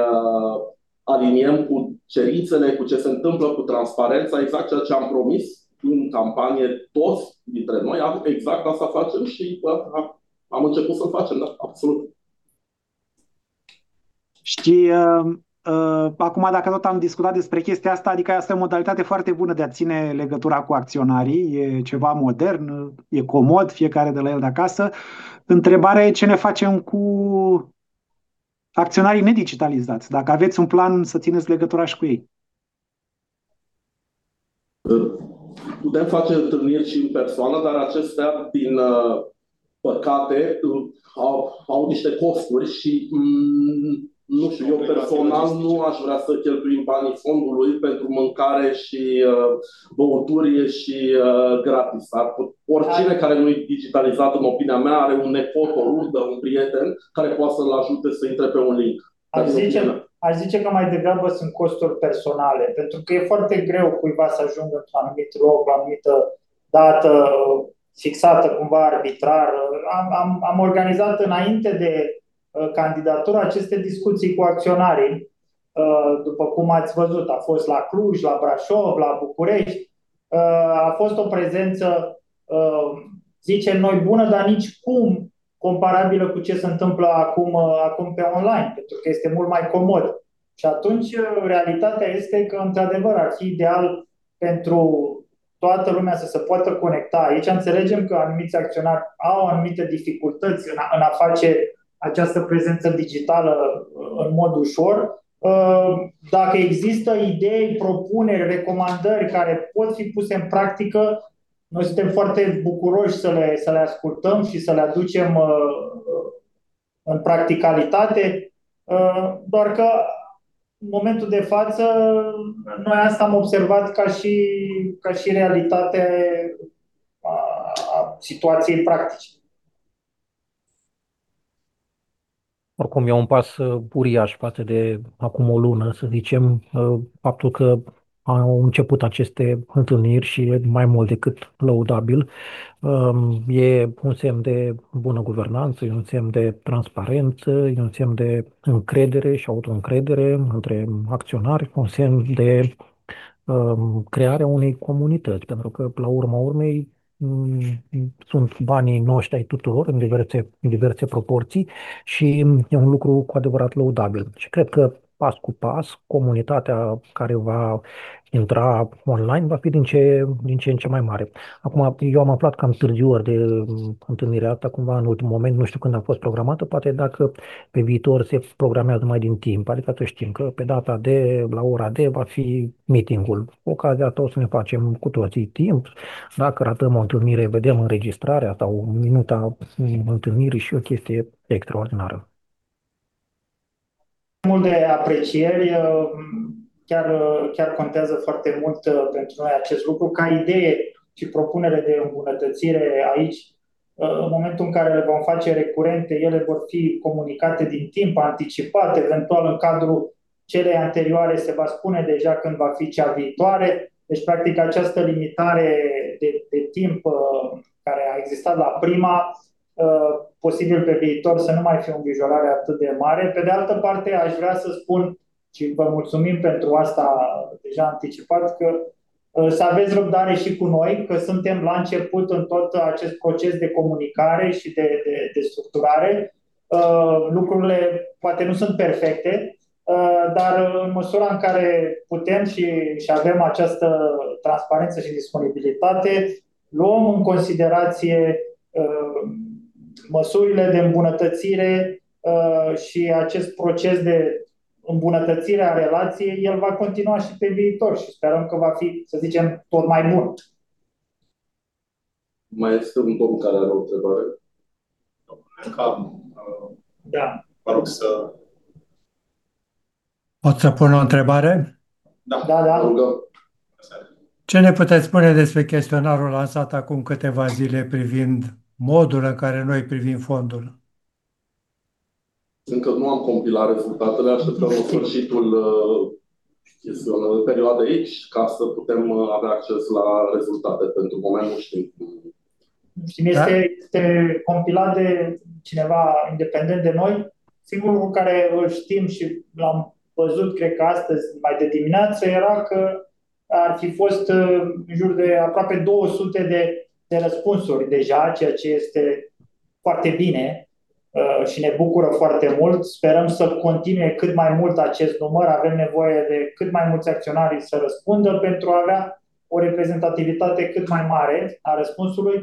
aliniem cu cerințele, cu ce se întâmplă, cu transparența, exact ceea ce am promis în campanie toți dintre noi. Exact asta facem și am început să-l facem, da, absolut. Și acum, dacă tot am discutat despre chestia asta, adică asta e o modalitate foarte bună de a ține legătura cu acționarii, e ceva modern, e comod, fiecare de la el de acasă. Întrebarea e ce ne facem cu acționarii nedigitalizați, dacă aveți un plan să țineți legătura și cu ei. Putem face întâlniri și în persoană, dar acestea, din păcate, au niște costuri și, nu știu, eu personal nu aș vrea să cheltuim banii fondului pentru mâncare și băuturi și gratis. Oricine care nu e digitalizat, în opinia mea, are un nepot, o rudă, un prieten care poate să-l ajute să intre pe un link. Aș zice că mai degrabă sunt costuri personale, pentru că e foarte greu cuiva să ajungă într-un anumit loc, la o anumită dată fixată cumva arbitrar. Am organizat înainte de candidatură aceste discuții cu acționarii, după cum ați văzut, a fost la Cluj, la Brașov, la București. A fost o prezență, zicem noi, bună, dar nici cum comparabilă cu ce se întâmplă acum pe online, pentru că este mult mai comod. Și atunci, realitatea este că, într-adevăr, ar fi ideal pentru toată lumea să se poată conecta aici. Înțelegem că anumiți acționari au anumite dificultăți în a face această prezență digitală în mod ușor. Dacă există idei, propuneri, recomandări care pot fi puse în practică, noi suntem foarte bucuroși să le ascultăm și să le aducem în practicalitate. Doar că, în momentul de față, noi asta am observat ca și realitate a situației practice. Oricum, e un pas uriaș față de acum o lună, să zicem, faptul că au început aceste întâlniri și e mai mult decât lăudabil. E un semn de bună guvernanță, e un semn de transparență, e un semn de încredere și autoîncredere între acționari, un semn de creare a unei comunități, pentru că, la urma urmei, sunt banii noștri, ai tuturor, în diverse proporții și e un lucru cu adevărat lăudabil. Și cred că, pas cu pas, comunitatea care va intra online va fi din ce în ce mai mare. Acum, eu am aflat cam târziu de întâlnirea asta, cumva în ultimul moment, nu știu când a fost programată, poate dacă pe viitor se programează mai din timp, adică să știm că pe data de, la ora de, va fi meeting-ul. Cu ocazia asta o să ne facem cu toții timp. Dacă ratăm o întâlnire, vedem înregistrarea sau minuta întâlnirii și e o chestie extraordinară. Multe aprecieri, chiar contează foarte mult pentru noi acest lucru, ca idee și propunere de îmbunătățire aici. În momentul în care le vom face recurente, ele vor fi comunicate din timp, anticipate, eventual în cadrul celei anterioare se va spune deja când va fi cea viitoare. Deci, practic, această limitare de timp care a existat la prima, posibil pe viitor să nu mai fie o îngrijorare atât de mare. Pe de altă parte, aș vrea să spun, și vă mulțumim pentru asta deja anticipat, că să aveți răbdare și cu noi, că suntem la început în tot acest proces de comunicare și de structurare. Lucrurile poate nu sunt perfecte, dar în măsura în care putem și avem această transparență și disponibilitate, luăm în considerație măsurile de îmbunătățire și acest proces de îmbunătățire a relației, el va continua și pe viitor și sperăm că va fi, să zicem, tot mai bun. Mai este un domn care are o întrebare? Domnul Ianca, vă rog să... Pot să pun o întrebare? Da, da. Ce ne puteți spune despre chestionarul lansat acum câteva zile privind modul în care noi privim fondul? Încă nu am compilat rezultatele, așteptăm la sfârșitul perioadei aici ca să putem avea acces la rezultate. Pentru moment nu știm cum. Nu știm, este compilat de cineva independent de noi. Singurul lucru care îl știm și l-am văzut, cred că astăzi, mai de dimineață, era că ar fi fost în jur de aproape 200 de răspunsuri deja, ceea ce este foarte bine și ne bucură foarte mult. Sperăm să continue cât mai mult acest număr, avem nevoie de cât mai mulți acționari să răspundă pentru a avea o reprezentativitate cât mai mare a răspunsului,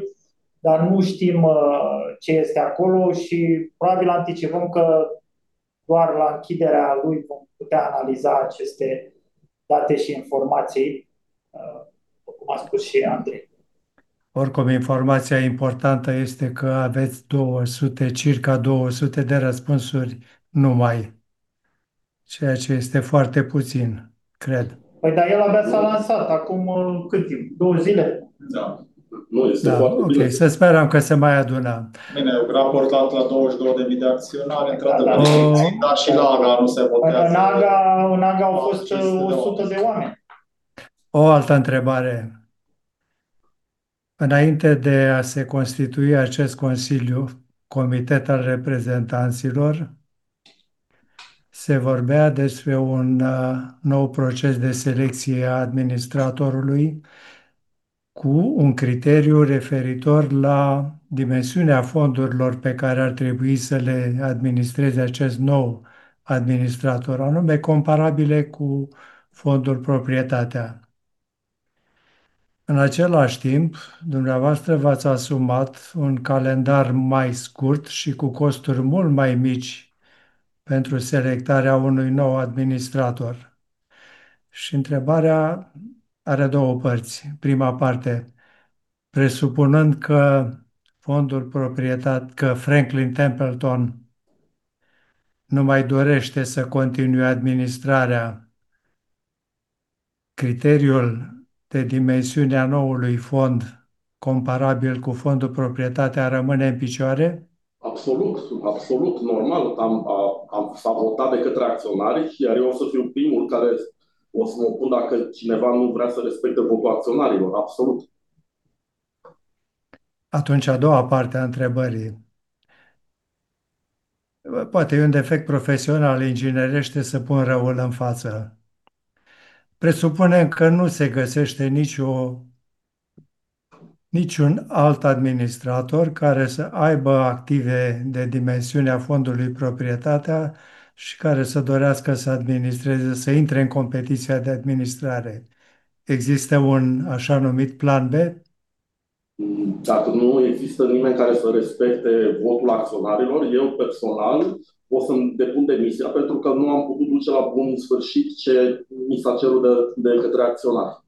dar nu știm ce este acolo și probabil anticipăm că doar la închiderea lui vom putea analiza aceste date și informații, după cum a spus și Andrei. Oricum, informația importantă este că aveți 200, circa 200 de răspunsuri numai, ceea ce este foarte puțin, cred. Păi, dar el abia s-a lansat acum cât timp? Două zile? Da. Nu este foarte bine. Ok, să sperăm că se mai adună. Bine, eu am raportat la 22.000 de acționari, într-adevăr, dar și la AGA nu se votează. În AGA au fost 100 de oameni. O altă întrebare. Înainte de a se constitui acest consiliu, comitet al reprezentanților, se vorbea despre un nou proces de selecție a administratorului, cu un criteriu referitor la dimensiunea fondurilor pe care ar trebui să le administreze acest nou administrator, anume comparabile cu Fondul Proprietatea. În același timp, dumneavoastră v-ați asumat un calendar mai scurt și cu costuri mult mai mici pentru selectarea unui nou administrator. Întrebarea are două părți. Prima parte, presupunând că Franklin Templeton nu mai dorește să continue administrarea, criteriul de dimensiunea noului fond comparabil cu Fondul Proprietatea rămâne în picioare? Absolut, absolut, normal. Am votat de către acționari, iar eu o să fiu primul care o să mă opun dacă cineva nu vrea să respecte votul acționarilor, absolut. Atunci, a doua parte a întrebării. Poate e un defect profesional ingineresc să pun răul în față. Presupunem că nu se găsește niciun alt administrator care să aibă active de dimensiunea Fondului Proprietatea și care să dorească să administreze, să intre în competiția de administrare. Există un așa-numit plan B? Dacă nu există nimeni care să respecte votul acționarilor, eu personal o să-mi depun demisia pentru că nu am putut duce la bun sfârșit ce mi s-a cerut de către acționari.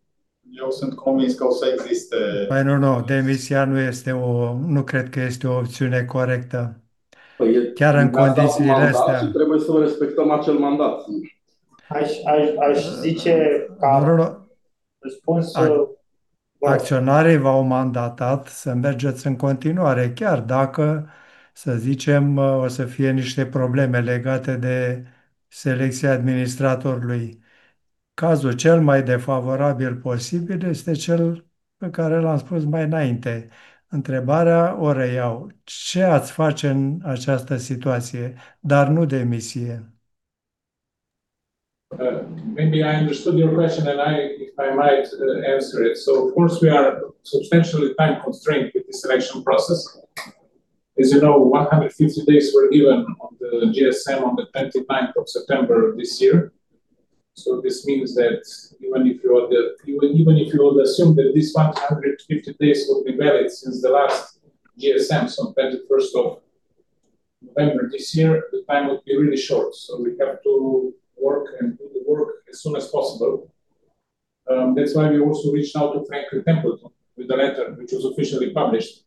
Eu sunt convins că o să existe. Păi, nu, nu, demisia nu este o, nu cred că este o opțiune corectă. Păi, chiar în condițiile astea. Trebuie să-mi respectăm acel mandat. Aș zice că... Acționarii v-au mandatat să mergeți în continuare, chiar dacă, să zicem, o să fie niște probleme legate de selecția administratorului. Cazul cel mai defavorabil posibil este cel pe care l-am spus mai înainte. Întrebarea o reiau: ce ați face în această situație, dar nu demisie? Maybe I understood your question and I might answer it. Of course, we are substantially time-constrained with the selection process. As you know, 150 days were given on the GSM on the 29th of September this year. This means that even if you would assume that these 150 days would be valid since the last GSM, on the 21st of November this year, the time would be really short. We have to work and do the work as soon as possible. That's why we also reached out to Franklin Templeton with the letter which was officially published.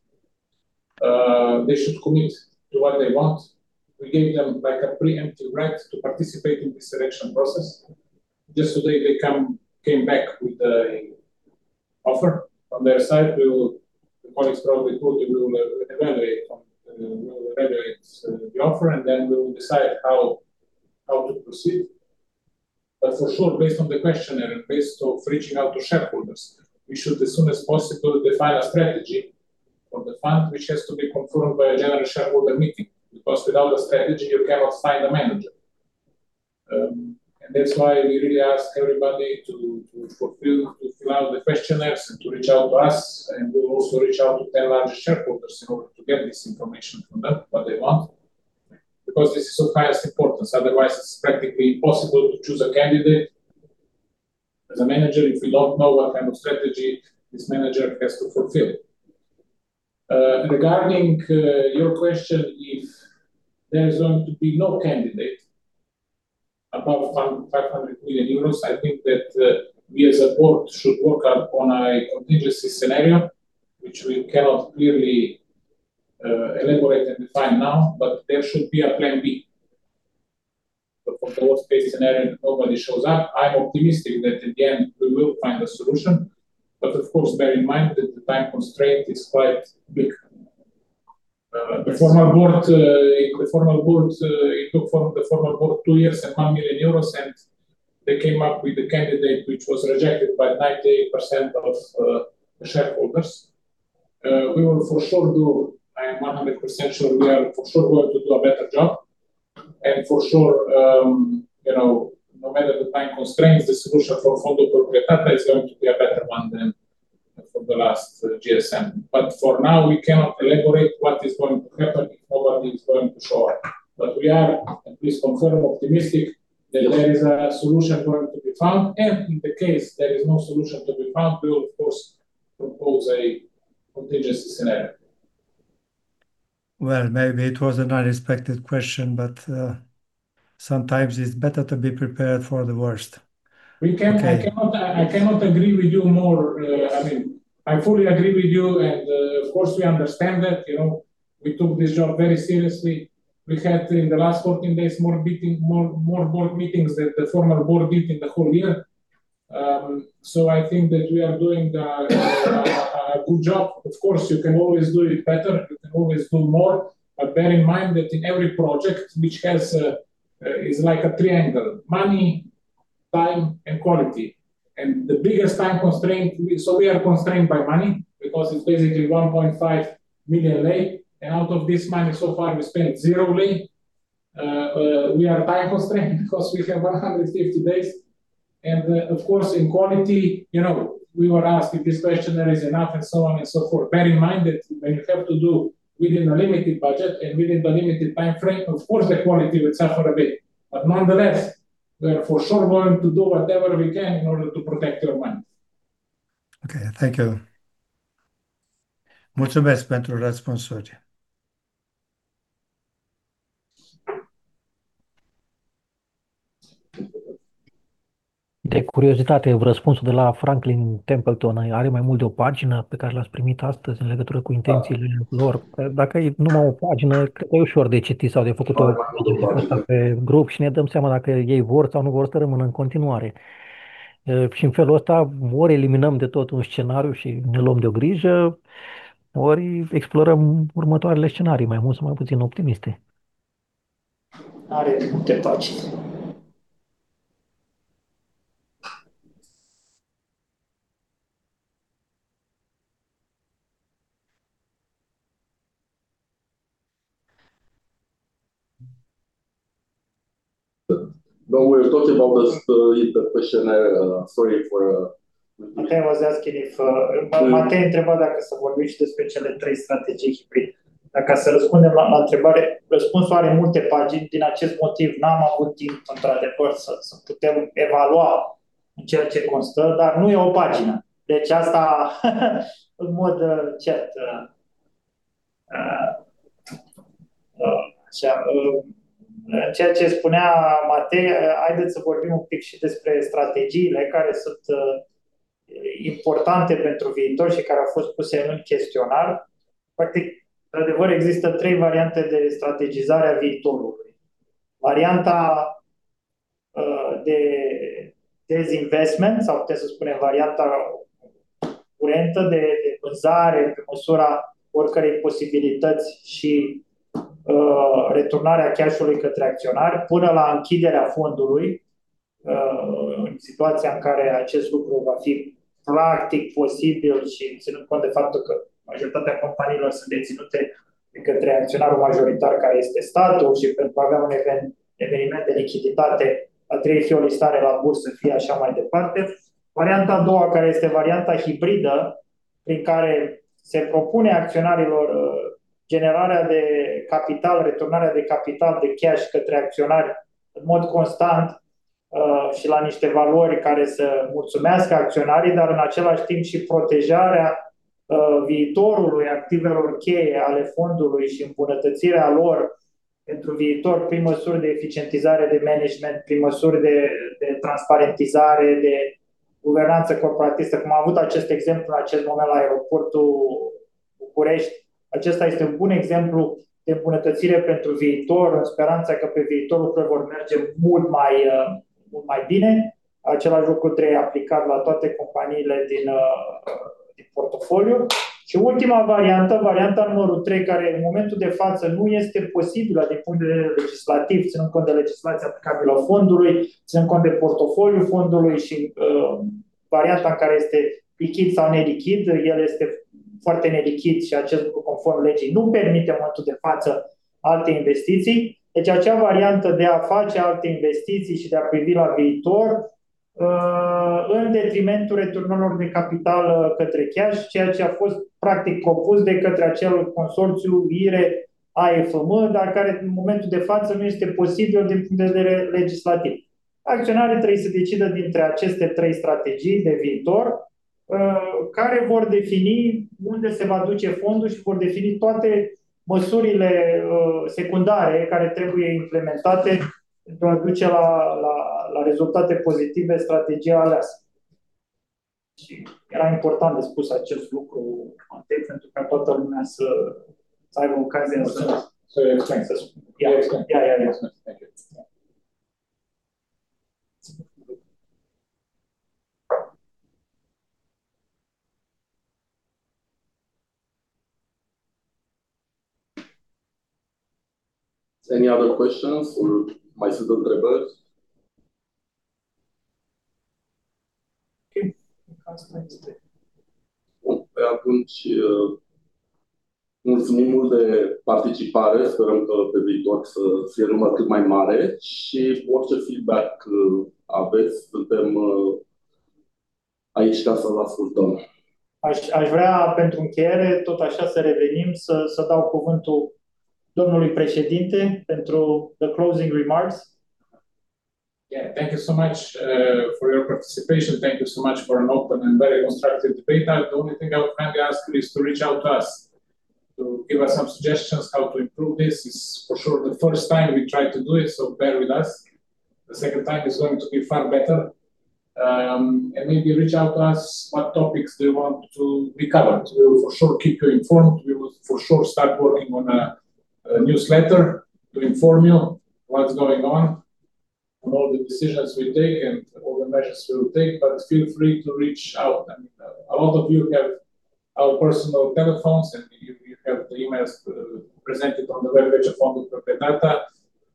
They should commit to what they want. We gave them a preemptive right to participate in the selection process. Just today, they came back with an offer on their side. The colleagues probably told you we will evaluate the offer and then we will decide how to proceed. But for sure, based on the questionnaire and based on reaching out to shareholders, we should, as soon as possible, define a strategy for the fund which has to be confirmed by a general shareholder meeting. Because without a strategy, you cannot find a manager. That's why we really ask everybody to fulfill, to fill out the questionnaires and to reach out to us. We will also reach out to 10 larger shareholders in order to get this information from them, what they want. Because this is of highest importance, otherwise it's practically impossible to choose a candidate as a manager if we don't know what kind of strategy this manager has to fulfill. Regarding your question, if there is going to be no candidate above €500 million, I think that we, as a board, should work on a contingency scenario which we cannot clearly elaborate and define now, but there should be a plan B. But for the worst-case scenario, if nobody shows up, I'm optimistic that, in the end, we will find a solution. But, of course, bear in mind that the time constraint is quite big. The formal board took two years and €1 million, and they came up with a candidate which was rejected by 98% of the shareholders. We will for sure do, I am 100% sure we are for sure going to do a better job. For sure, no matter the time constraints, the solution for Fondo Proprietario is going to be a better one than for the last GSM. For now, we cannot elaborate what is going to happen if nobody is going to show up. We are, at least confirmed, optimistic that there is a solution going to be found. In the case there is no solution to be found, we will, of course, propose a contingency scenario. Well, maybe it was an unexpected question, but sometimes it's better to be prepared for the worst. I cannot agree with you more. I mean, I fully agree with you, and of course, we understand that. We took this job very seriously. We had, in the last 14 days, more board meetings than the formal board did in the whole year. So I think that we are doing a good job. Of course, you can always do it better, you can always do more. But bear in mind that in every project which has a triangle: money, time, and quality. And the biggest time constraint, so we are constrained by money because it's basically 1.5 million lei. And out of this money, so far, we spent zero lei. We are time-constrained because we have 150 days. And, of course, in quality, we were asked if this questionnaire is enough and so on and so forth. Bear in mind that when you have to do within a limited budget and within the limited time frame, of course, the quality will suffer a bit. Nonetheless, we are for sure going to do whatever we can in order to protect your money. Okay, thank you. Mulțumesc pentru răspunsuri. Din curiozitate, răspunsul de la Franklin Templeton are mai mult de o pagină pe care l-ați primit astăzi în legătură cu intențiile lor. Dacă este numai o pagină, cred că este ușor de citit sau de făcut aceasta pe grup și ne dăm seama dacă ei vor sau nu vor să rămână în continuare. Și în felul acesta, ori eliminăm de tot un scenariu și ne luăm de o grijă, ori explorăm următoarele scenarii, mai mult sau mai puțin optimiste. Are multe pagini. Domnule, toți v-au răspuns la întrebarea despre cele trei strategii hibride. Dar ca să răspundem la întrebare, răspunsul are multe pagini. Din acest motiv, n-am avut timp, într-adevăr, să putem evalua în ceea ce constă, dar nu e o pagină. Deci asta, în mod cert. În ceea ce spunea Matei, haideți să vorbim un pic și despre strategiile care sunt importante pentru viitor și care au fost puse în chestionar. Practic, într-adevăr, există trei variante de strategizare a viitorului. Varianta de dezinvestment, sau putem să spunem varianta curentă de vânzare pe măsura oricărei posibilități și returnarea cash-ului către acționari, până la închiderea fondului, în situația în care acest lucru va fi practic posibil și ținând cont de faptul că majoritatea companiilor sunt deținute de către acționarul majoritar, care este statul, și pentru a avea un eveniment de lichiditate, ar trebui să fie o listare la bursă, fie așa mai departe. Varianta a doua, care este varianta hibridă, prin care se propune acționarilor generarea de capital, returnarea de capital, de cash către acționari în mod constant și la niște valori care să mulțumească acționarii, dar în același timp și protejarea viitorului activelor cheie ale fondului și îmbunătățirea lor pentru viitor prin măsuri de eficientizare de management, prin măsuri de transparentizare, de guvernanță corporatistă, cum a avut acest exemplu în acest moment la Aeroportul București. Acesta este un bun exemplu de îmbunătățire pentru viitor, în speranța că pe viitor lucrurile vor merge mult mai bine. Același lucru trebuie aplicat la toate companiile din portofoliu. Și ultima variantă, varianta numărul 3, care în momentul de față nu este posibilă din punct de vedere legislativ, ținând cont de legislația aplicabilă a fondului, ținând cont de portofoliul fondului și varianta în care este lichid sau nelichid, el este foarte nelichid și acest lucru, conform legii, nu permite în momentul de față alte investiții. Deci acea variantă de a face alte investiții și de a privi la viitor în detrimentul returnărilor de capital către cash, ceea ce a fost practic propus de către acel consorțiu IRE AFM, dar care în momentul de față nu este posibil din punct de vedere legislativ. Acționarii trebuie să decidă dintre aceste trei strategii de viitor, care vor defini unde se va duce fondul și vor defini toate măsurile secundare care trebuie implementate pentru a duce la rezultate pozitive strategia aleasă. Și era important de spus acest lucru, Matei, pentru ca toată lumea să aibă ocazia să... Any other questions? Mai sunt întrebări? Ok. Atunci, mulțumim mult de participare, sperăm că pe viitor să fie număr cât mai mare și orice feedback aveți, suntem aici ca să-l ascultăm. Aș vrea, pentru încheiere, tot așa să revenim, să dau cuvântul domnului președinte pentru the closing remarks. Yeah, thank you so much for your participation, thank you so much for an open and very constructive debate. The only thing I would kindly ask you is to reach out to us, to give us some suggestions on how to improve this. It's for sure the first time we tried to do it, so bear with us. The second time is going to be far better. Maybe reach out to us, what topics do you want to be covered? We will for sure keep you informed, we will for sure start working on a newsletter to inform you what's going on, on all the decisions we take and all the measures we will take, but feel free to reach out. A lot of you have our personal telephones and you have the emails presented on the web page of Fondo Proprietario.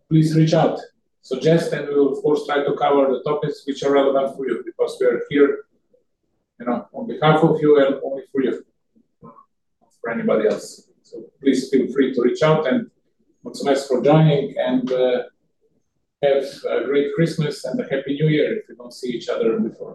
Please reach out, suggest, and we will of course try to cover the topics which are relevant for you because we are here on behalf of you and only for you, not for anybody else. Please feel free to reach out and thanks for joining and have a great Christmas and a Happy New Year if we don't see each other before.